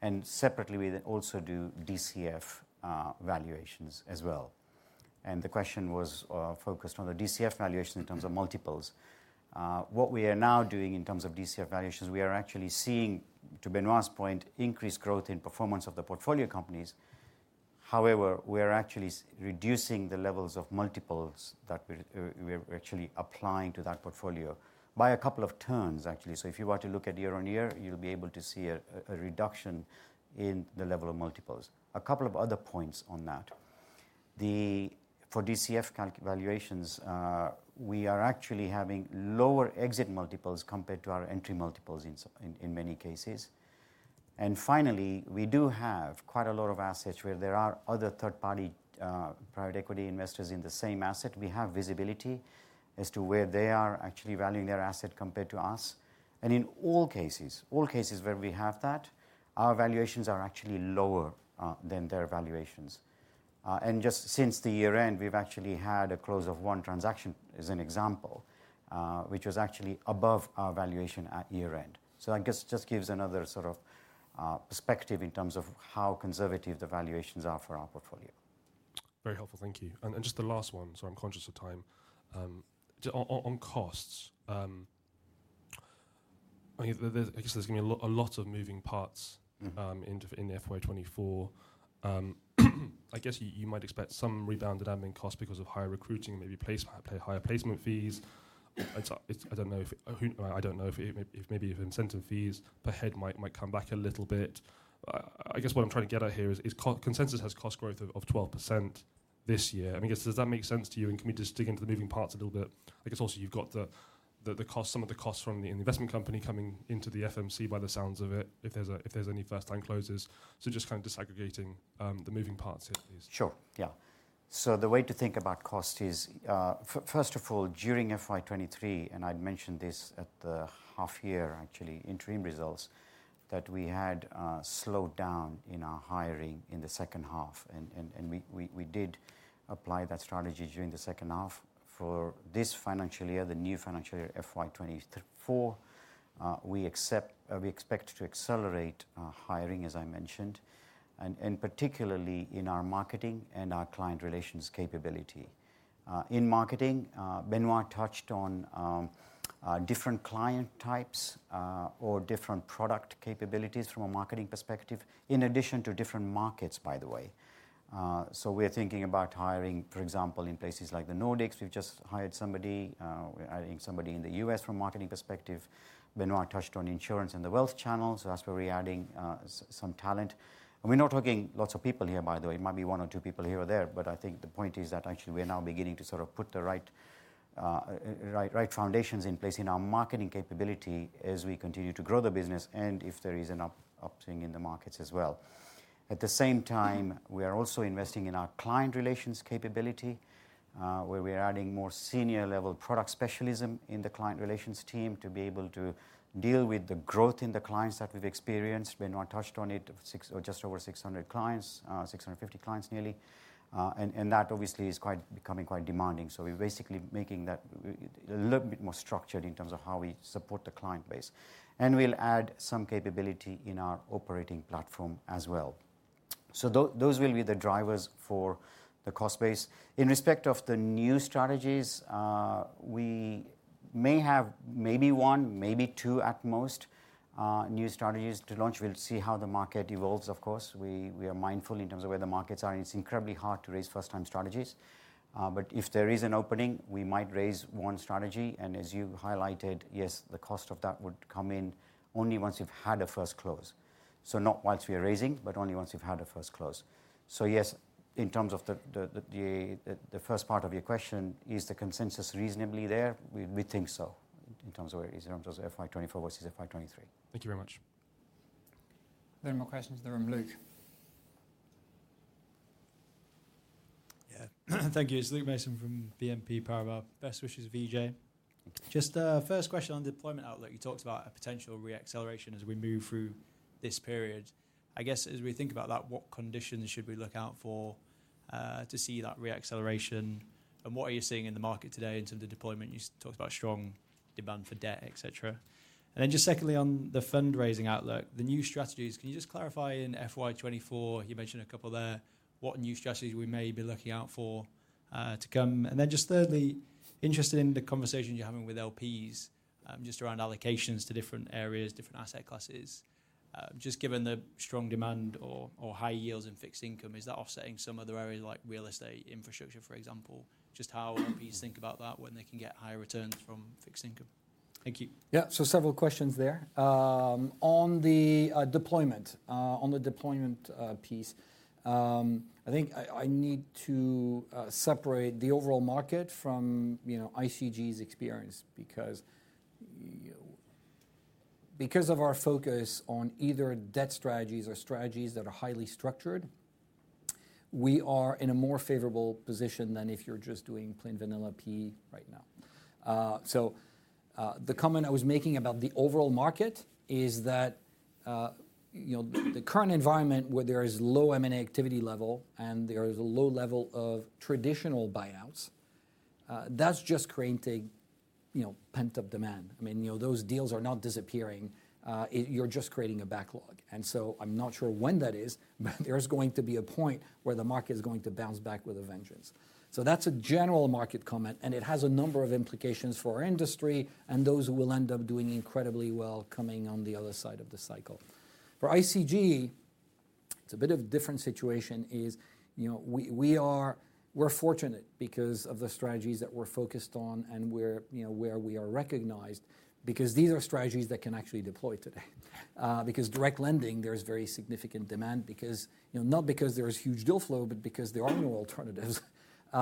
and separately, we also do DCF valuations as well. The question was focused on the DCF valuation in terms of multiples. What we are now doing in terms of DCF valuations, we are actually seeing, to Benoît's point, increased growth in performance of the portfolio companies. However, we are actually reducing the levels of multiples that we're actually applying to that portfolio by a couple of turns, actually. If you were to look at year-over-year, you'll be able to see a reduction in the level of multiples. A couple of other points on that. For DCF calc valuations, we are actually having lower exit multiples compared to our entry multiples in many cases. Finally, we do have quite a lot of assets where there are other third-party private equity investors in the same asset. We have visibility as to where they are actually valuing their asset compared to us. In all cases, all cases where we have that, our valuations are actually lower than their valuations. Just since the year-end, we've actually had a close of one transaction, as an example, which was actually above our valuation at year-end. I guess it just gives another sort of perspective in terms of how conservative the valuations are for our portfolio. Very helpful. Thank you. Just the last one, I'm conscious of time. On costs, I think I guess there's going to be a lot of moving parts in the FY 2024. I guess you might expect some rebound in admin costs because of higher recruiting, maybe pay higher placement fees. It's, I don't know if maybe if incentive fees per head might come back a little bit. I guess what I'm trying to get at here is consensus has cost growth of 12% this year. I mean, does that make sense to you? Can we just dig into the moving parts a little bit? I guess also, you've got the costs, some of the costs from the investment company coming into the FMC, by the sounds of it, if there's any first-time closes. Just kind of disaggregating the moving parts here, please. Sure, yeah. The way to think about cost is first of all, during FY 2023, and I'd mentioned this at the half year, actually, interim results, that we had slowed down in our hiring in the second half, and we did apply that strategy during the second half. For this financial year, the new financial year, FY 2024, we expect to accelerate hiring, as I mentioned, and particularly in our marketing and our client relations capability. In marketing, Benoît touched on different client types, or different product capabilities from a marketing perspective, in addition to different markets, by the way. We're thinking about hiring, for example, in places like the Nordics. We've just hired somebody. We're hiring somebody in the U.S. from a marketing perspective. Benoît touched on insurance and the wealth channel, so that's where we're adding some talent. We're not talking lots of people here, by the way. It might be one or two people here or there, but I think the point is that actually we are now beginning to sort of put the right foundations in place in our marketing capability as we continue to grow the business and if there is an opening in the markets as well. At the same time, we are also investing in our client relations capability, where we are adding more senior-level product specialism in the client relations team to be able to deal with the growth in the clients that we've experienced. Benoît touched on it, six or just over 600 clients, 650 clients, nearly. That obviously is quite, becoming quite demanding. We're basically making that a little bit more structured in terms of how we support the client base. We'll add some capability in our operating platform as well. Those will be the drivers for the cost base. In respect of the new strategies, we may have maybe one, maybe two at most, new strategies to launch. We'll see how the market evolves, of course. We are mindful in terms of where the markets are, and it's incredibly hard to raise first-time strategies. But if there is an opening, we might raise one strategy, and as you highlighted, yes, the cost of that would come in only once we've had a first close. Not whilst we are raising, but only once we've had a first close. yes, in terms of the first part of your question, is the consensus reasonably there? We think so, in terms of FY 2024 versus FY 2023. Thank you very much. Any more questions in the room? Luke? Thank you. It's Luke Mason from BNP Paribas. Best wishes, Vijay. Just, first question on deployment outlook. You talked about a potential re-acceleration as we move through this period. I guess, as we think about that, what conditions should we look out for, to see that re-acceleration? What are you seeing in the market today in terms of deployment? You talked about strong demand for debt, et cetera. Then just secondly, on the fundraising outlook, the new strategies, can you just clarify in FY 2024, you mentioned a couple there, what new strategies we may be looking out for, to come? Then just thirdly, interested in the conversation you're having with LPs, just around allocations to different areas, different asset classes. Just given the strong demand or high yields in fixed income, is that offsetting some other areas like real estate, infrastructure, for example? Just how LPs think about that when they can get higher returns from fixed income. Thank you. Yeah. Several questions there. On the deployment piece, I think I need to separate the overall market from, you know, ICG's experience because of our focus on either debt strategies or strategies that are highly structured, we are in a more favorable position than if you're just doing plain vanilla PE right now. The comment I was making about the overall market is that, you know, the current environment where there is low M&A activity level and there is a low level of traditional buyouts, that's just creating, you know, pent-up demand. I mean, you know, those deals are not disappearing, you're just creating a backlog. I'm not sure when that is, but there is going to be a point where the market is going to bounce back with a vengeance. That's a general market comment, and it has a number of implications for our industry and those who will end up doing incredibly well coming on the other side of the cycle. For ICG, it's a bit of a different situation, is, you know, we're fortunate because of the strategies that we're focused on and where, you know, where we are recognized, because these are strategies that can actually deploy today. Because direct lending, there is very significant demand, because, you know, not because there is huge deal flow, but because there are no alternatives. You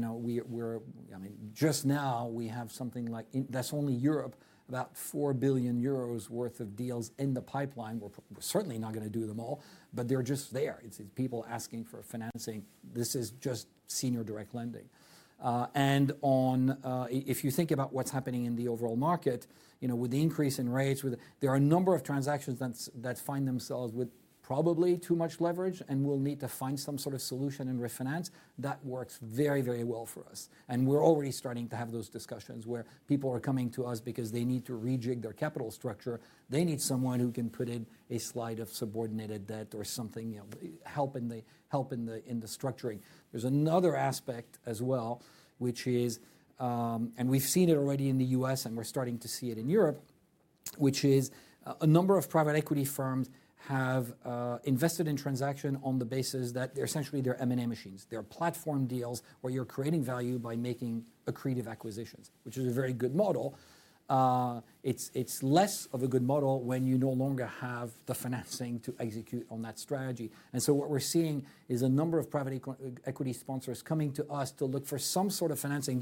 know, I mean, just now we have something like that's only Europe, about 4 billion euros worth of deals in the pipeline. We're certainly not going to do them all, but they're just there. It's people asking for financing. This is just senior direct lending. If you think about what's happening in the overall market, you know, with the increase in rates, there are a number of transactions that find themselves with probably too much leverage and will need to find some sort of solution and refinance. That works very, very well for us, and we're already starting to have those discussions where people are coming to us because they need to rejig their capital structure. They need someone who can put in a slide of subordinated debt or something, you know, help in the structuring. We've seen it already in the U.S., and we're starting to see it in Europe, which is a number of private equity firms have invested in transaction on the basis that they're essentially they're M&A machines. They're platform deals where you're creating value by making accretive acquisitions, which is a very good model. It's less of a good model when you no longer have the financing to execute on that strategy. What we're seeing is a number of private equity sponsors coming to us to look for some sort of financing.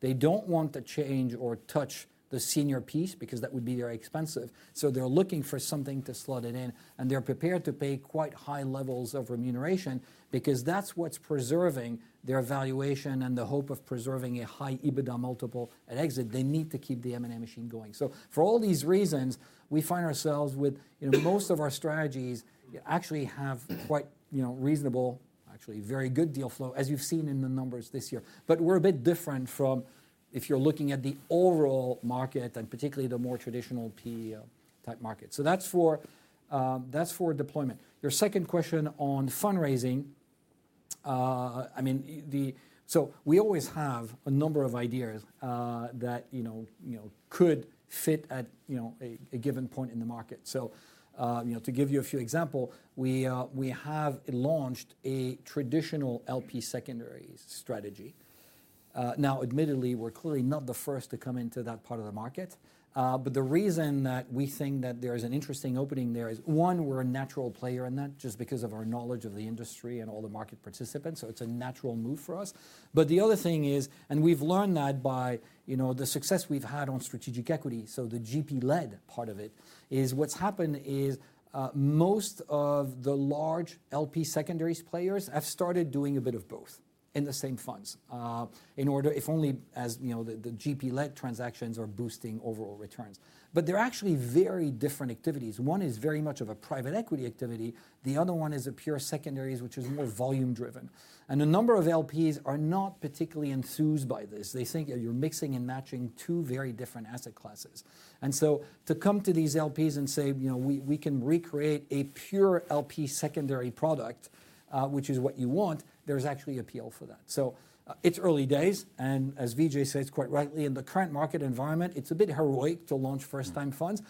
They don't want to change or touch the senior piece because that would be very expensive, so they're looking for something to slot it in, and they're prepared to pay quite high levels of remuneration because that's what's preserving their valuation and the hope of preserving a high EBITDA multiple at exit. They need to keep the M&A machine going. For all these reasons, we find ourselves with, you know, most of our strategies actually have quite, you know, reasonable, actually very good deal flow, as you've seen in the numbers this year. We're a bit different from if you're looking at the overall market and particularly the more traditional PE type market. That's for, that's for deployment. Your second question on fundraising, I mean, we always have a number of ideas, that, you know, could fit at, you know, a given point in the market. You know, to give you a few example, we have launched a traditional LP Secondaries strategy. Now, admittedly, we're clearly not the first to come into that part of the market, but the reason that we think that there is an interesting opening there is, one, we're a natural player in that, just because of our knowledge of the industry and all the market participants, so it's a natural move for us. The other thing is, and we've learned that by, you know, the success we've had on Strategic Equity, so the GP-led part of it, is what's happened is, most of the large LP Secondaries players have started doing a bit of both in the same funds, in order, if only as, you know, the GP-led transactions are boosting overall returns. They're actually very different activities. One is very much of a private equity activity, the other one is a pure secondaries, which is more volume driven. A number of LPs are not particularly enthused by this. They think you're mixing and matching two very different asset classes. To come to these LPs and say, "You know, we can recreate a pure LP Secondary product, which is what you want," there's actually appeal for that. It's early days. As Vijay said, quite rightly, in the current market environment, it's a bit heroic to launch first-time funds,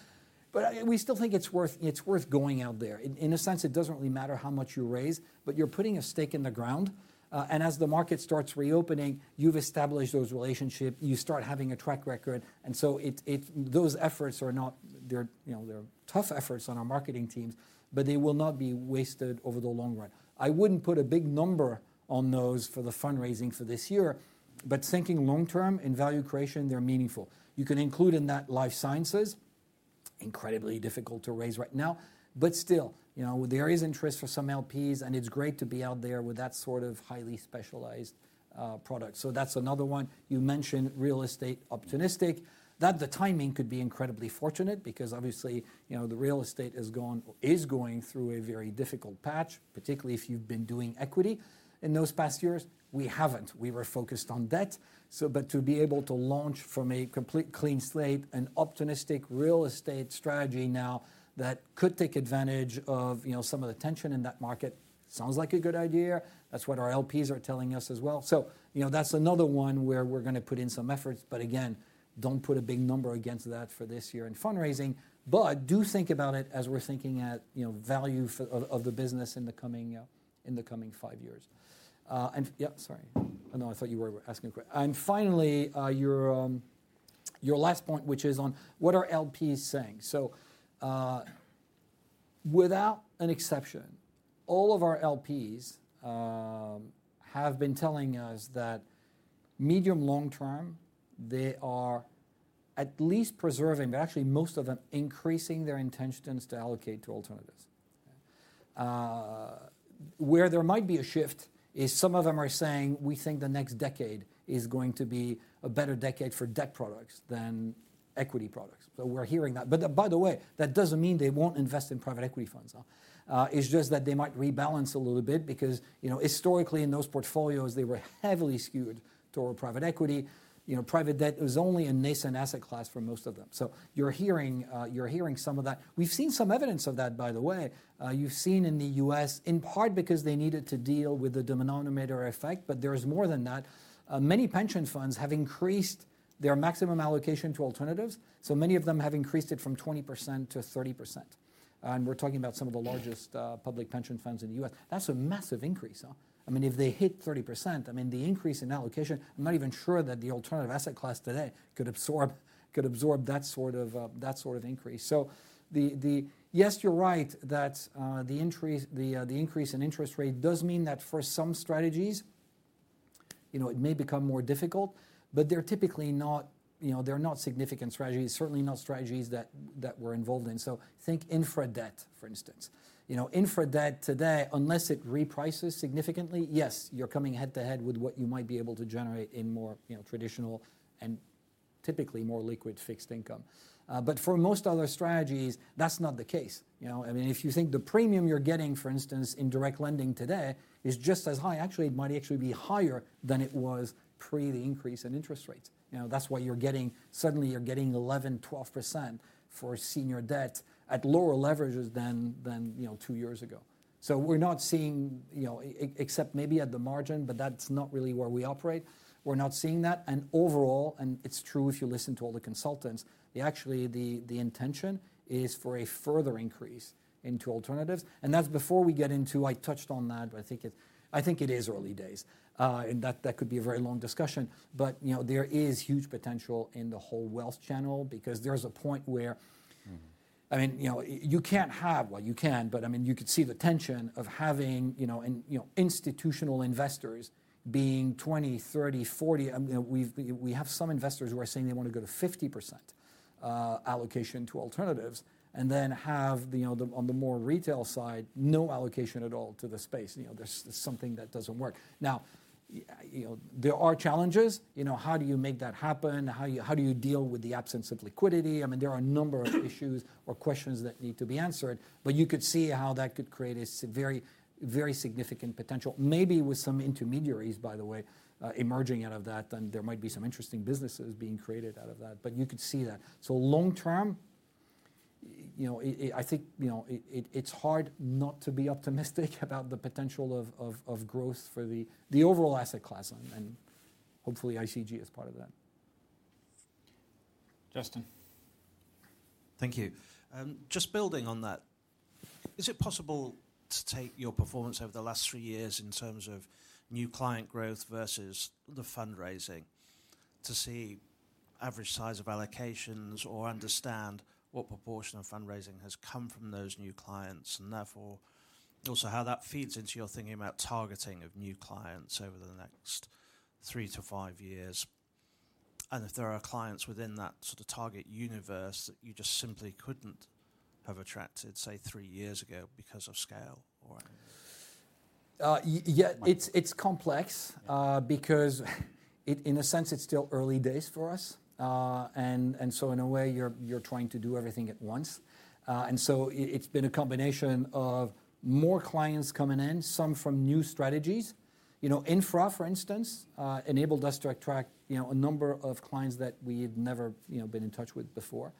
but we still think it's worth going out there. In a sense, it doesn't really matter how much you raise. You're putting a stake in the ground. As the market starts reopening, you've established those relationships, you start having a track record. Those efforts are not, you know, tough efforts on our marketing teams, but they will not be wasted over the long run. I wouldn't put a big number on those for the fundraising for this year. Thinking long term, in value creation, they're meaningful. You can include in that Life Sciences, incredibly difficult to raise right now. Still, you know, there is interest for some LPs, and it's great to be out there with that sort of highly specialized product. That's another one. You mentioned Real Estate Opportunistic. The timing could be incredibly fortunate because obviously, you know, the real estate is going through a very difficult patch, particularly if you've been doing equity in those past years. We haven't. We were focused on debt. To be able to launch from a complete clean slate, an opportunistic real estate strategy now that could take advantage of, you know, some of the tension in that market, sounds like a good idea. That's what our LPs are telling us as well. You know, that's another one where we're gonna put in some efforts, but again, don't put a big number against that for this year in fundraising. Do think about it as we're thinking at, you know, value of the business in the coming five years. Yeah, sorry. I know, I thought you were asking. Finally, your last point, which is on what are LPs saying? Without an exception, all of our LPs have been telling us that medium long term, they are at least preserving, but actually most of them increasing their intentions to allocate to alternatives. Where there might be a shift is some of them are saying, "We think the next decade is going to be a better decade for debt products than equity products." We're hearing that. By the way, that doesn't mean they won't invest in private equity funds. It's just that they might rebalance a little bit because, you know, historically, in those portfolios, they were heavily skewed toward private equity. You know, private debt is only a nascent asset class for most of them. You're hearing some of that. We've seen some evidence of that, by the way. You've seen in the U.S., in part because they needed to deal with the denominator effect, but there is more than that. Many pension funds have increased their maximum allocation to alternatives, so many of them have increased it from 20% to 30%, and we're talking about some of the largest, public pension funds in the U.S. That's a massive increase, huh? I mean, if they hit 30%, I mean, the increase in allocation, I'm not even sure that the alternative asset class today could absorb that sort of increase. Yes, you're right, that the increase, the increase in interest rate does mean that for some strategies, you know, it may become more difficult, but they're typically not, you know, they're not significant strategies, certainly not strategies that we're involved in. Think Infrastructure Debt, for instance. You know, Infrastructure Debt today, unless it reprices significantly, yes, you're coming head-to-head with what you might be able to generate in more, you know, traditional and typically more liquid fixed income. But for most other strategies, that's not the case, you know? I mean, if you think the premium you're getting, for instance, in direct lending today is just as high, actually, it might actually be higher than it was pre the increase in interest rates. You know, that's why suddenly you're getting 11%, 12% for senior debt at lower leverages than, you know, two years ago. We're not seeing, you know, except maybe at the margin, but that's not really where we operate. We're not seeing that, overall, it's true if you listen to all the consultants, actually, the intention is for a further increase into alternatives. That's before we get into... I touched on that, but I think it is early days, that could be a very long discussion. you know, there is huge potential in the whole wealth channel because there's a point where. I mean, you know, you can't have, well, you can, but I mean, you could see the tension of having, you know, and, you know, institutional investors being 20, 30, 40, you know, we have some investors who are saying they want to go to 50% allocation to alternatives, and then have, you know, the, on the more retail side, no allocation at all to the space. You know, that's something that doesn't work. Now, you know, there are challenges. You know, how do you make that happen? How do you deal with the absence of liquidity? I mean, there are a number of issues or questions that need to be answered, but you could see how that could create a very, very significant potential. Maybe with some intermediaries, by the way, emerging out of that, then there might be some interesting businesses being created out of that, but you could see that. Long term, you know, I think, you know, it's hard not to be optimistic about the potential of growth for the overall asset class, and hopefully ICG is part of that. Justin? Thank you. Just building on that, is it possible to take your performance over the last three years in terms of new client growth versus the fundraising, to see average size of allocations or understand what proportion of fundraising has come from those new clients, and therefore, also how that feeds into your thinking about targeting of new clients over the next three to five years, and if there are clients within that sort of target universe that you just simply couldn't have attracted, say, three years ago because of scale or? Yeah, it's because, it in a sense, it's still early days for us. In a way, you're trying to do everything at once. It's been a combination of more clients coming in, some from new strategies. You know, infra, for instance, enabled us to attract, you know, a number of clients that we've never, you know, been in touch with before.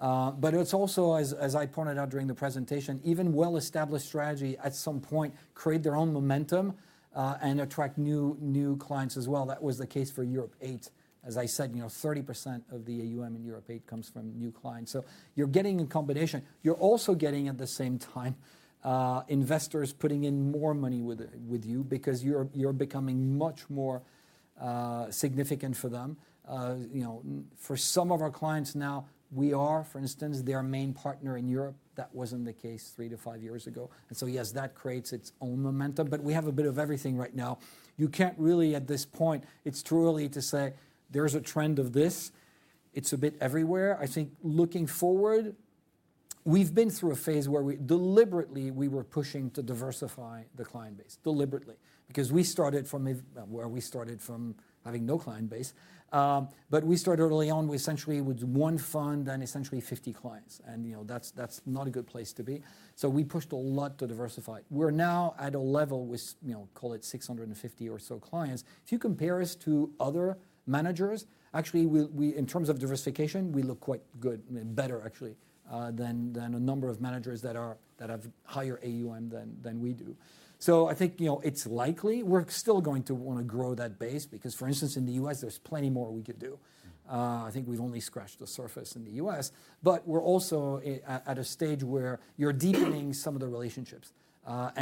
It's also, as I pointed out during the presentation, even well-established strategy, at some point, create their own momentum and attract new clients as well. That was the case for Europe Eight. As I said, you know, 30% of the AUM in Europe Eight comes from new clients. You're getting a combination. You're also getting, at the same time, investors putting in more money with you because you're becoming much more significant for them. You know, for some of our clients now, we are, for instance, their main partner in Europe. That wasn't the case three to five years ago. Yes, that creates its own momentum, but we have a bit of everything right now. You can't really, at this point, it's too early to say there's a trend of this. It's a bit everywhere. I think looking forward, we've been through a phase where deliberately, we were pushing to diversify the client base. Deliberately, because we started from having no client base. We started early on with essentially with one fund and essentially 50 clients, and, you know, that's not a good place to be. We pushed a lot to diversify. We're now at a level with, you know, call it 650 or so clients. If you compare us to other managers, actually, we, in terms of diversification, we look quite good, better actually, than a number of managers that have higher AUM than we do. I think, you know, it's likely we're still going to wanna grow that base because, for instance, in the U.S., there's plenty more we could do. I think we've only scratched the surface in the U.S., but we're also at a stage where you're deepening some of the relationships.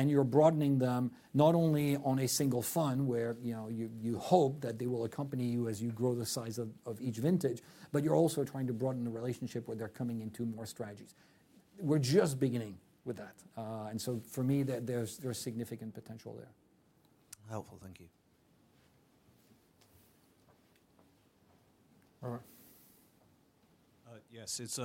You're broadening them, not only on a single fund, where, you know, you hope that they will accompany you as you grow the size of each vintage, but you're also trying to broaden the relationship where they're coming into more strategies. We're just beginning with that. For me, there's significant potential there. Helpful. Thank you. Robert? Yes, it's.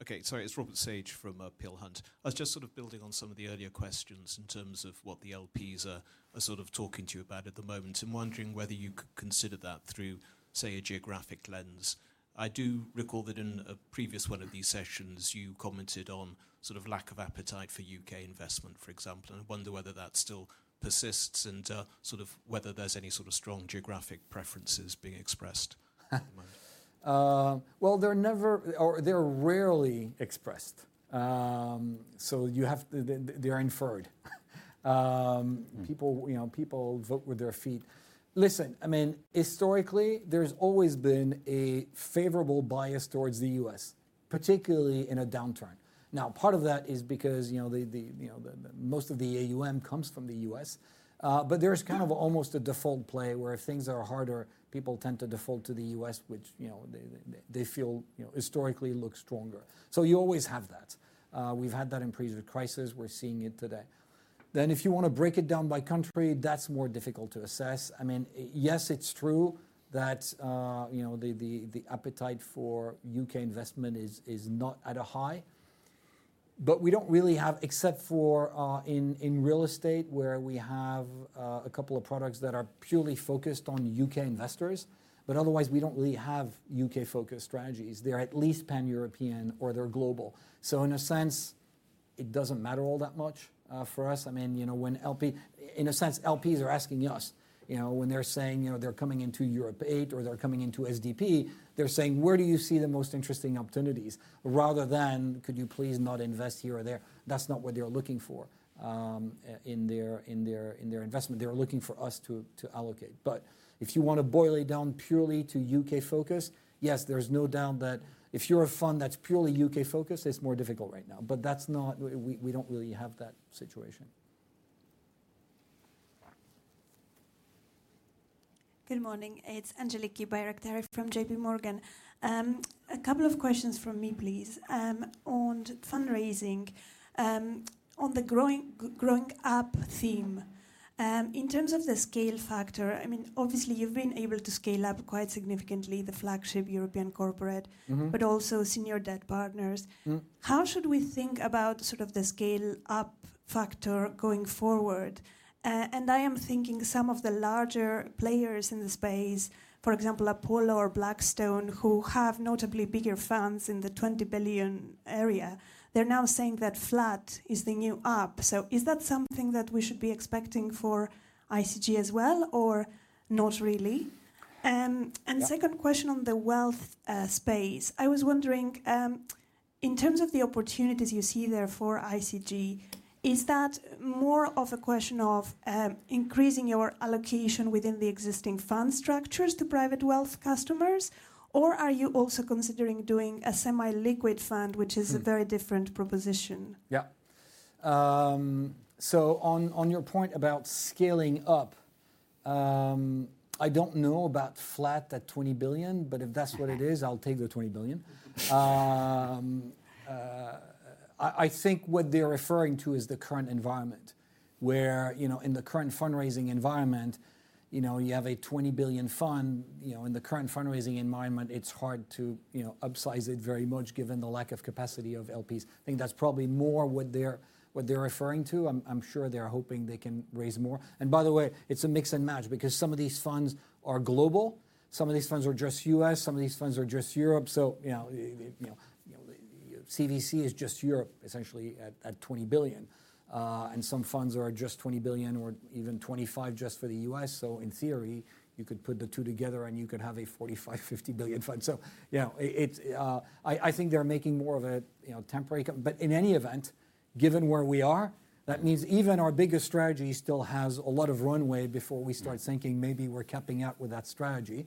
Okay, sorry. It's Robert Sage from Peel Hunt. I was just sort of building on some of the earlier questions in terms of what the LPs are sort of talking to you about at the moment and wondering whether you consider that through, say, a geographic lens. I do recall that in a previous one of these sessions, you commented on sort of lack of appetite for U.K. investment, for example, and I wonder whether that still persists and sort of whether there's any sort of strong geographic preferences being expressed? Well, they're never, or they're rarely expressed. They're inferred people, you know, people vote with their feet. Listen, I mean, historically, there's always been a favorable bias towards the U.S., particularly in a downturn. Now, part of that is because, you know, the, you know, the, most of the AUM comes from the U.S. But there's kind of almost a default play, where if things are harder, people tend to default to the U.S., which, you know, they feel, you know, historically looks stronger. You always have that. We've had that in previous crises. We're seeing it today. If you want to break it down by country, that's more difficult to assess. I mean, yes, it's true that, you know, the appetite for U.K. investment is not at a high. We don't really have, except for, in real estate, where we have a couple of products that are purely focused on U.K. investors, but otherwise, we don't really have U.K.-focused strategies. They're at least Pan-European or they're global. In a sense, it doesn't matter all that much for us. I mean, you know, in a sense, LPs are asking us, you know, when they're saying, you know, they're coming into Europe Eight or they're coming into SDP, they're saying: Where do you see the most interesting opportunities? Rather than: Could you please not invest here or there? That's not what they're looking for in their investment. They're looking for us to allocate. If you want to boil it down purely to U.K. focus, yes, there's no doubt that if you're a fund that's purely U.K.-focused, it's more difficult right now. We don't really have that situation. Good morning. It's Angeliki Bairaktari from JPMorgan. A couple of questions from me, please. On fundraising, on the growing up theme, in terms of the scale factor, I mean, obviously, you've been able to scale up quite significantly, the flagship European corporate. But also Senior Debt Partners. How should we think about sort of the scale-up factor going forward? I am thinking some of the larger players in the space, for example, Apollo or Blackstone, who have notably bigger funds in the $20 billion area, they're now saying that flat is the new up. Is that something that we should be expecting for ICG as well, or not really? Yeah. Second question on the wealth space. I was wondering, in terms of the opportunities you see there for ICG, is that more of a question of increasing your allocation within the existing fund structures to private wealth customers, or are you also considering doing a semi-liquid fund which is a very different proposition? Yeah. so on your point about scaling up, I don't know about flat at $20 billion, but if that's what it is, I'll take the $20 billion. I think what they're referring to is the current environment, where, you know, in the current fundraising environment, you know, you have a $20 billion fund. You know, in the current fundraising environment, it's hard to, you know, upsize it very much, given the lack of capacity of LPs. I think that's probably more what they're referring to. I'm sure they're hoping they can raise more. by the way, it's a mix and match because some of these funds are global, some of these funds are just U.S., some of these funds are just Europe. you know, CVC is just Europe, essentially, at $20 billion. Some funds are just $20 billion or even $25 billion just for the U.S. In theory, you could put the two together, and you could have a $45 billion-$50 billion fund. You know, I think they're making more of a, you know, temporary. In any event, given where we are, that means even our biggest strategy still has a lot of runway before we start thinking maybe we're capping out with that strategy.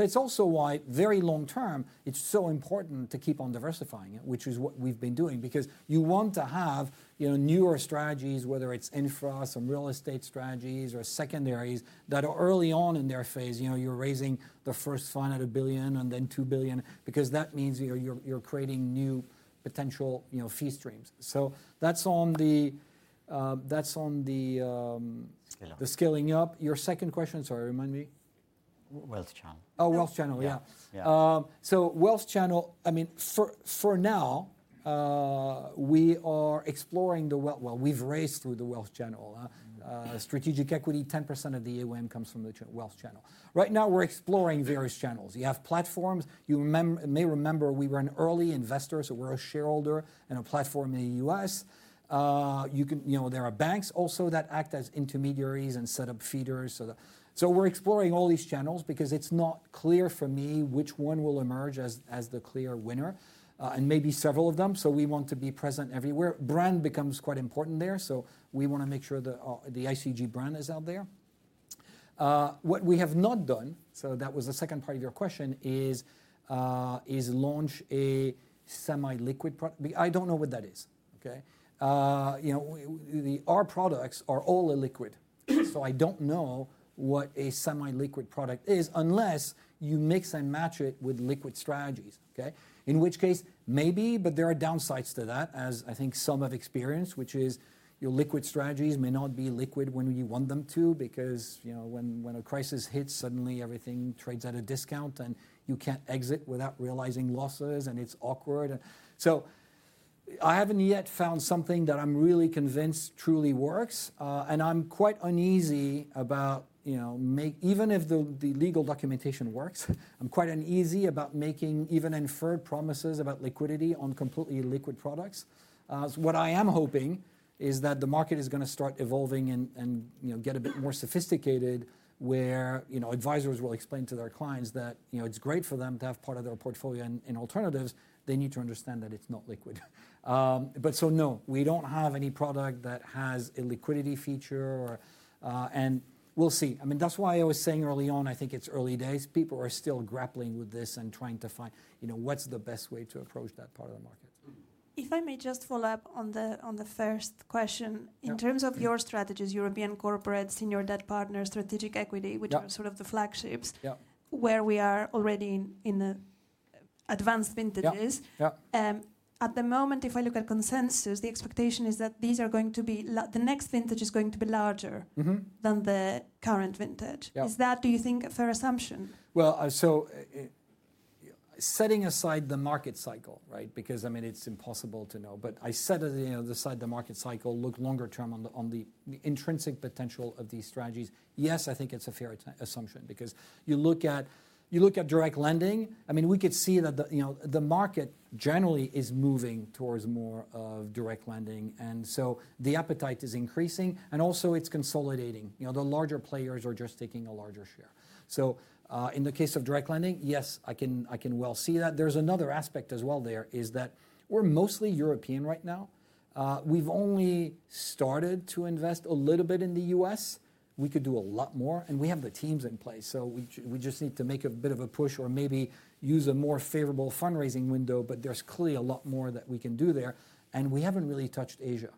It's also why, very long term, it's so important to keep on diversifying it, which is what we've been doing. You want to have, you know, newer strategies, whether it's infra, some real estate strategies or secondaries, that are early on in their phase. You know, you're raising the first fund at 1 billion and then 2 billion because that means you're creating new potential, you know, fee streams. That's on the. Scaling up The scaling up. Your second question, sorry, remind me? Wealth channel. Oh, wealth channel, yeah. Yeah, yeah. Wealth channel, I mean, for now, we are exploring well, we've raised through the wealth channel, Strategic Equity, 10% of the AUM comes from the wealth channel. Right now, we're exploring various channels. You have platforms. You may remember we were an early investor, so we're a shareholder in a platform in the U.S. You know, there are banks also that act as intermediaries and set up feeders. We're exploring all these channels because it's not clear for me which one will emerge as the clear winner, and maybe several of them, so we want to be present everywhere. Brand becomes quite important there, so we want to make sure the ICG brand is out there. What we have not done, so that was the second part of your question, is launch a semi-liquid product. I don't know what that is, okay? You know, our products are all illiquid, so I don't know what a semi-liquid product is unless you mix and match it with liquid strategies, okay? In which case, maybe, but there are downsides to that, as I think some have experienced, which is your liquid strategies may not be liquid when you want them to because, you know, when a crisis hits, suddenly everything trades at a discount, and you can't exit without realizing losses, and it's awkward. I haven't yet found something that I'm really convinced truly works, and I'm quite uneasy about, you know, even if the legal documentation works, I'm quite uneasy about making even inferred promises about liquidity on completely illiquid products. What I am hoping is that the market is gonna start evolving and, you know, get a bit more sophisticated, where, you know, advisors will explain to their clients that, you know, it's great for them to have part of their portfolio in alternatives, they need to understand that it's not liquid. No, we don't have any product that has a liquidity feature or. We'll see. I mean, that's why I was saying early on, I think it's early days. People are still grappling with this and trying to find, you know, what's the best way to approach that part of the market. If I may just follow up on the first question in terms of your strategies, European corporate, Senior Debt Partners, Strategic Equity which are sort of the flagships where we are already in the advanced vintages. Yeah, yeah. At the moment, if I look at consensus, the expectation is that these are going to be the next vintage is going to be larger than the current vintage. Yeah. Is that, do you think, a fair assumption? Well, so, setting aside the market cycle, right? Because, I mean, it's impossible to know. I set, you know, aside the market cycle, look longer term on the, on the intrinsic potential of these strategies. Yes, I think it's a fair assumption. You look at, you look at direct lending, I mean, we could see that the, you know, the market generally is moving towards more of direct lending, and so the appetite is increasing, and also it's consolidating. You know, the larger players are just taking a larger share. In the case of direct lending, yes, I can, I can well see that. There's another aspect as well there, is that we're mostly European right now. We've only started to invest a little bit in the U.S. We could do a lot more, and we have the teams in place, so we just need to make a bit of a push or maybe use a more favorable fundraising window, but there's clearly a lot more that we can do there, and we haven't really touched Asia.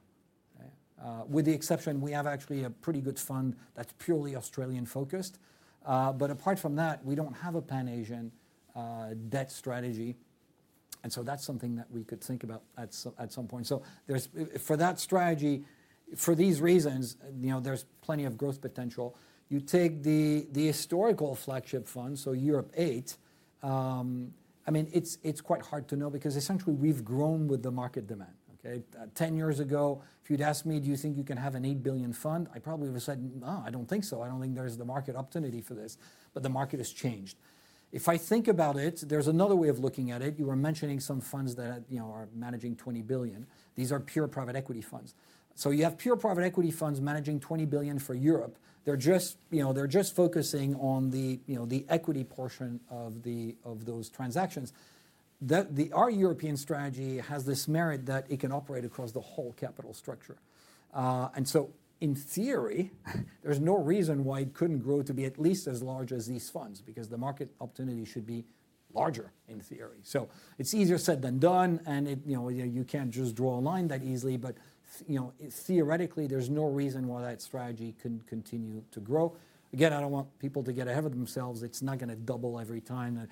With the exception, we have actually a pretty good fund that's purely Australian-focused. Apart from that, we don't have a Pan-Asian debt strategy, that's something that we could think about at some point. There's for that strategy, for these reasons, you know, there's plenty of growth potential. You take the historical flagship fund, so Europe Eight. I mean, it's quite hard to know because essentially we've grown with the market demand, okay? 10 years ago, if you'd asked me, "Do you think you can have an 8 billion fund?" I probably would've said, "No, I don't think so. I don't think there's the market opportunity for this." The market has changed. If I think about it, there's another way of looking at it. You were mentioning some funds that, you know, are managing 20 billion. These are pure private equity funds. You have pure private equity funds managing 20 billion for Europe. They're just, you know, they're just focusing on the, you know, the equity portion of the, of those transactions. Our European strategy has this merit that it can operate across the whole capital structure. In theory, there's no reason why it couldn't grow to be at least as large as these funds, because the market opportunity should be larger, in theory. It's easier said than done, and it, you know, you can't just draw a line that easily, you know, theoretically, there's no reason why that strategy couldn't continue to grow. Again, I don't want people to get ahead of themselves. It's not gonna double every time,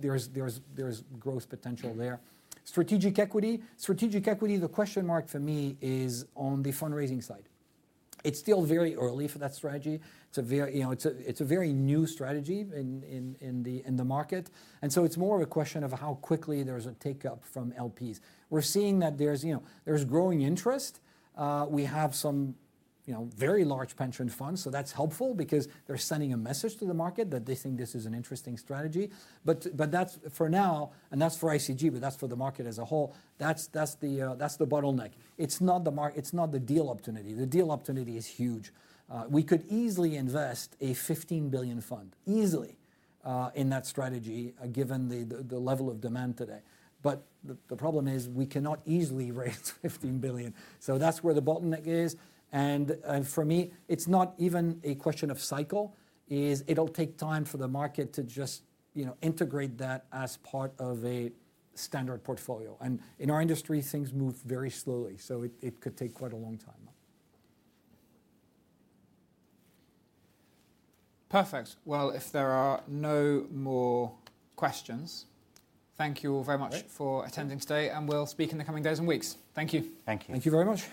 there's growth potential there. Strategic Equity? Strategic Equity, the question mark for me is on the fundraising side. It's still very early for that strategy. It's a very new strategy in the market, it's more of a question of how quickly there's a take-up from LPs. We're seeing that there's, you know, growing interest. We have some, you know, very large pension funds, that's helpful because they're sending a message to the market that they think this is an interesting strategy. But that's, for now, and that's for ICG, but that's for the market as a whole, that's the bottleneck. It's not the deal opportunity. The deal opportunity is huge. We could easily invest a 15 billion fund, easily, in that strategy, given the level of demand today. The problem is, we cannot easily raise 15 billion. That's where the bottleneck is, and for me, it's not even a question of cycle, is it'll take time for the market to just, you know, integrate that as part of a standard portfolio. In our industry, things move very slowly, so it could take quite a long time. Perfect. Well, if there are no more questions, thank you all very much for attending today, and we'll speak in the coming days and weeks. Thank you. Thank you. Thank you very much.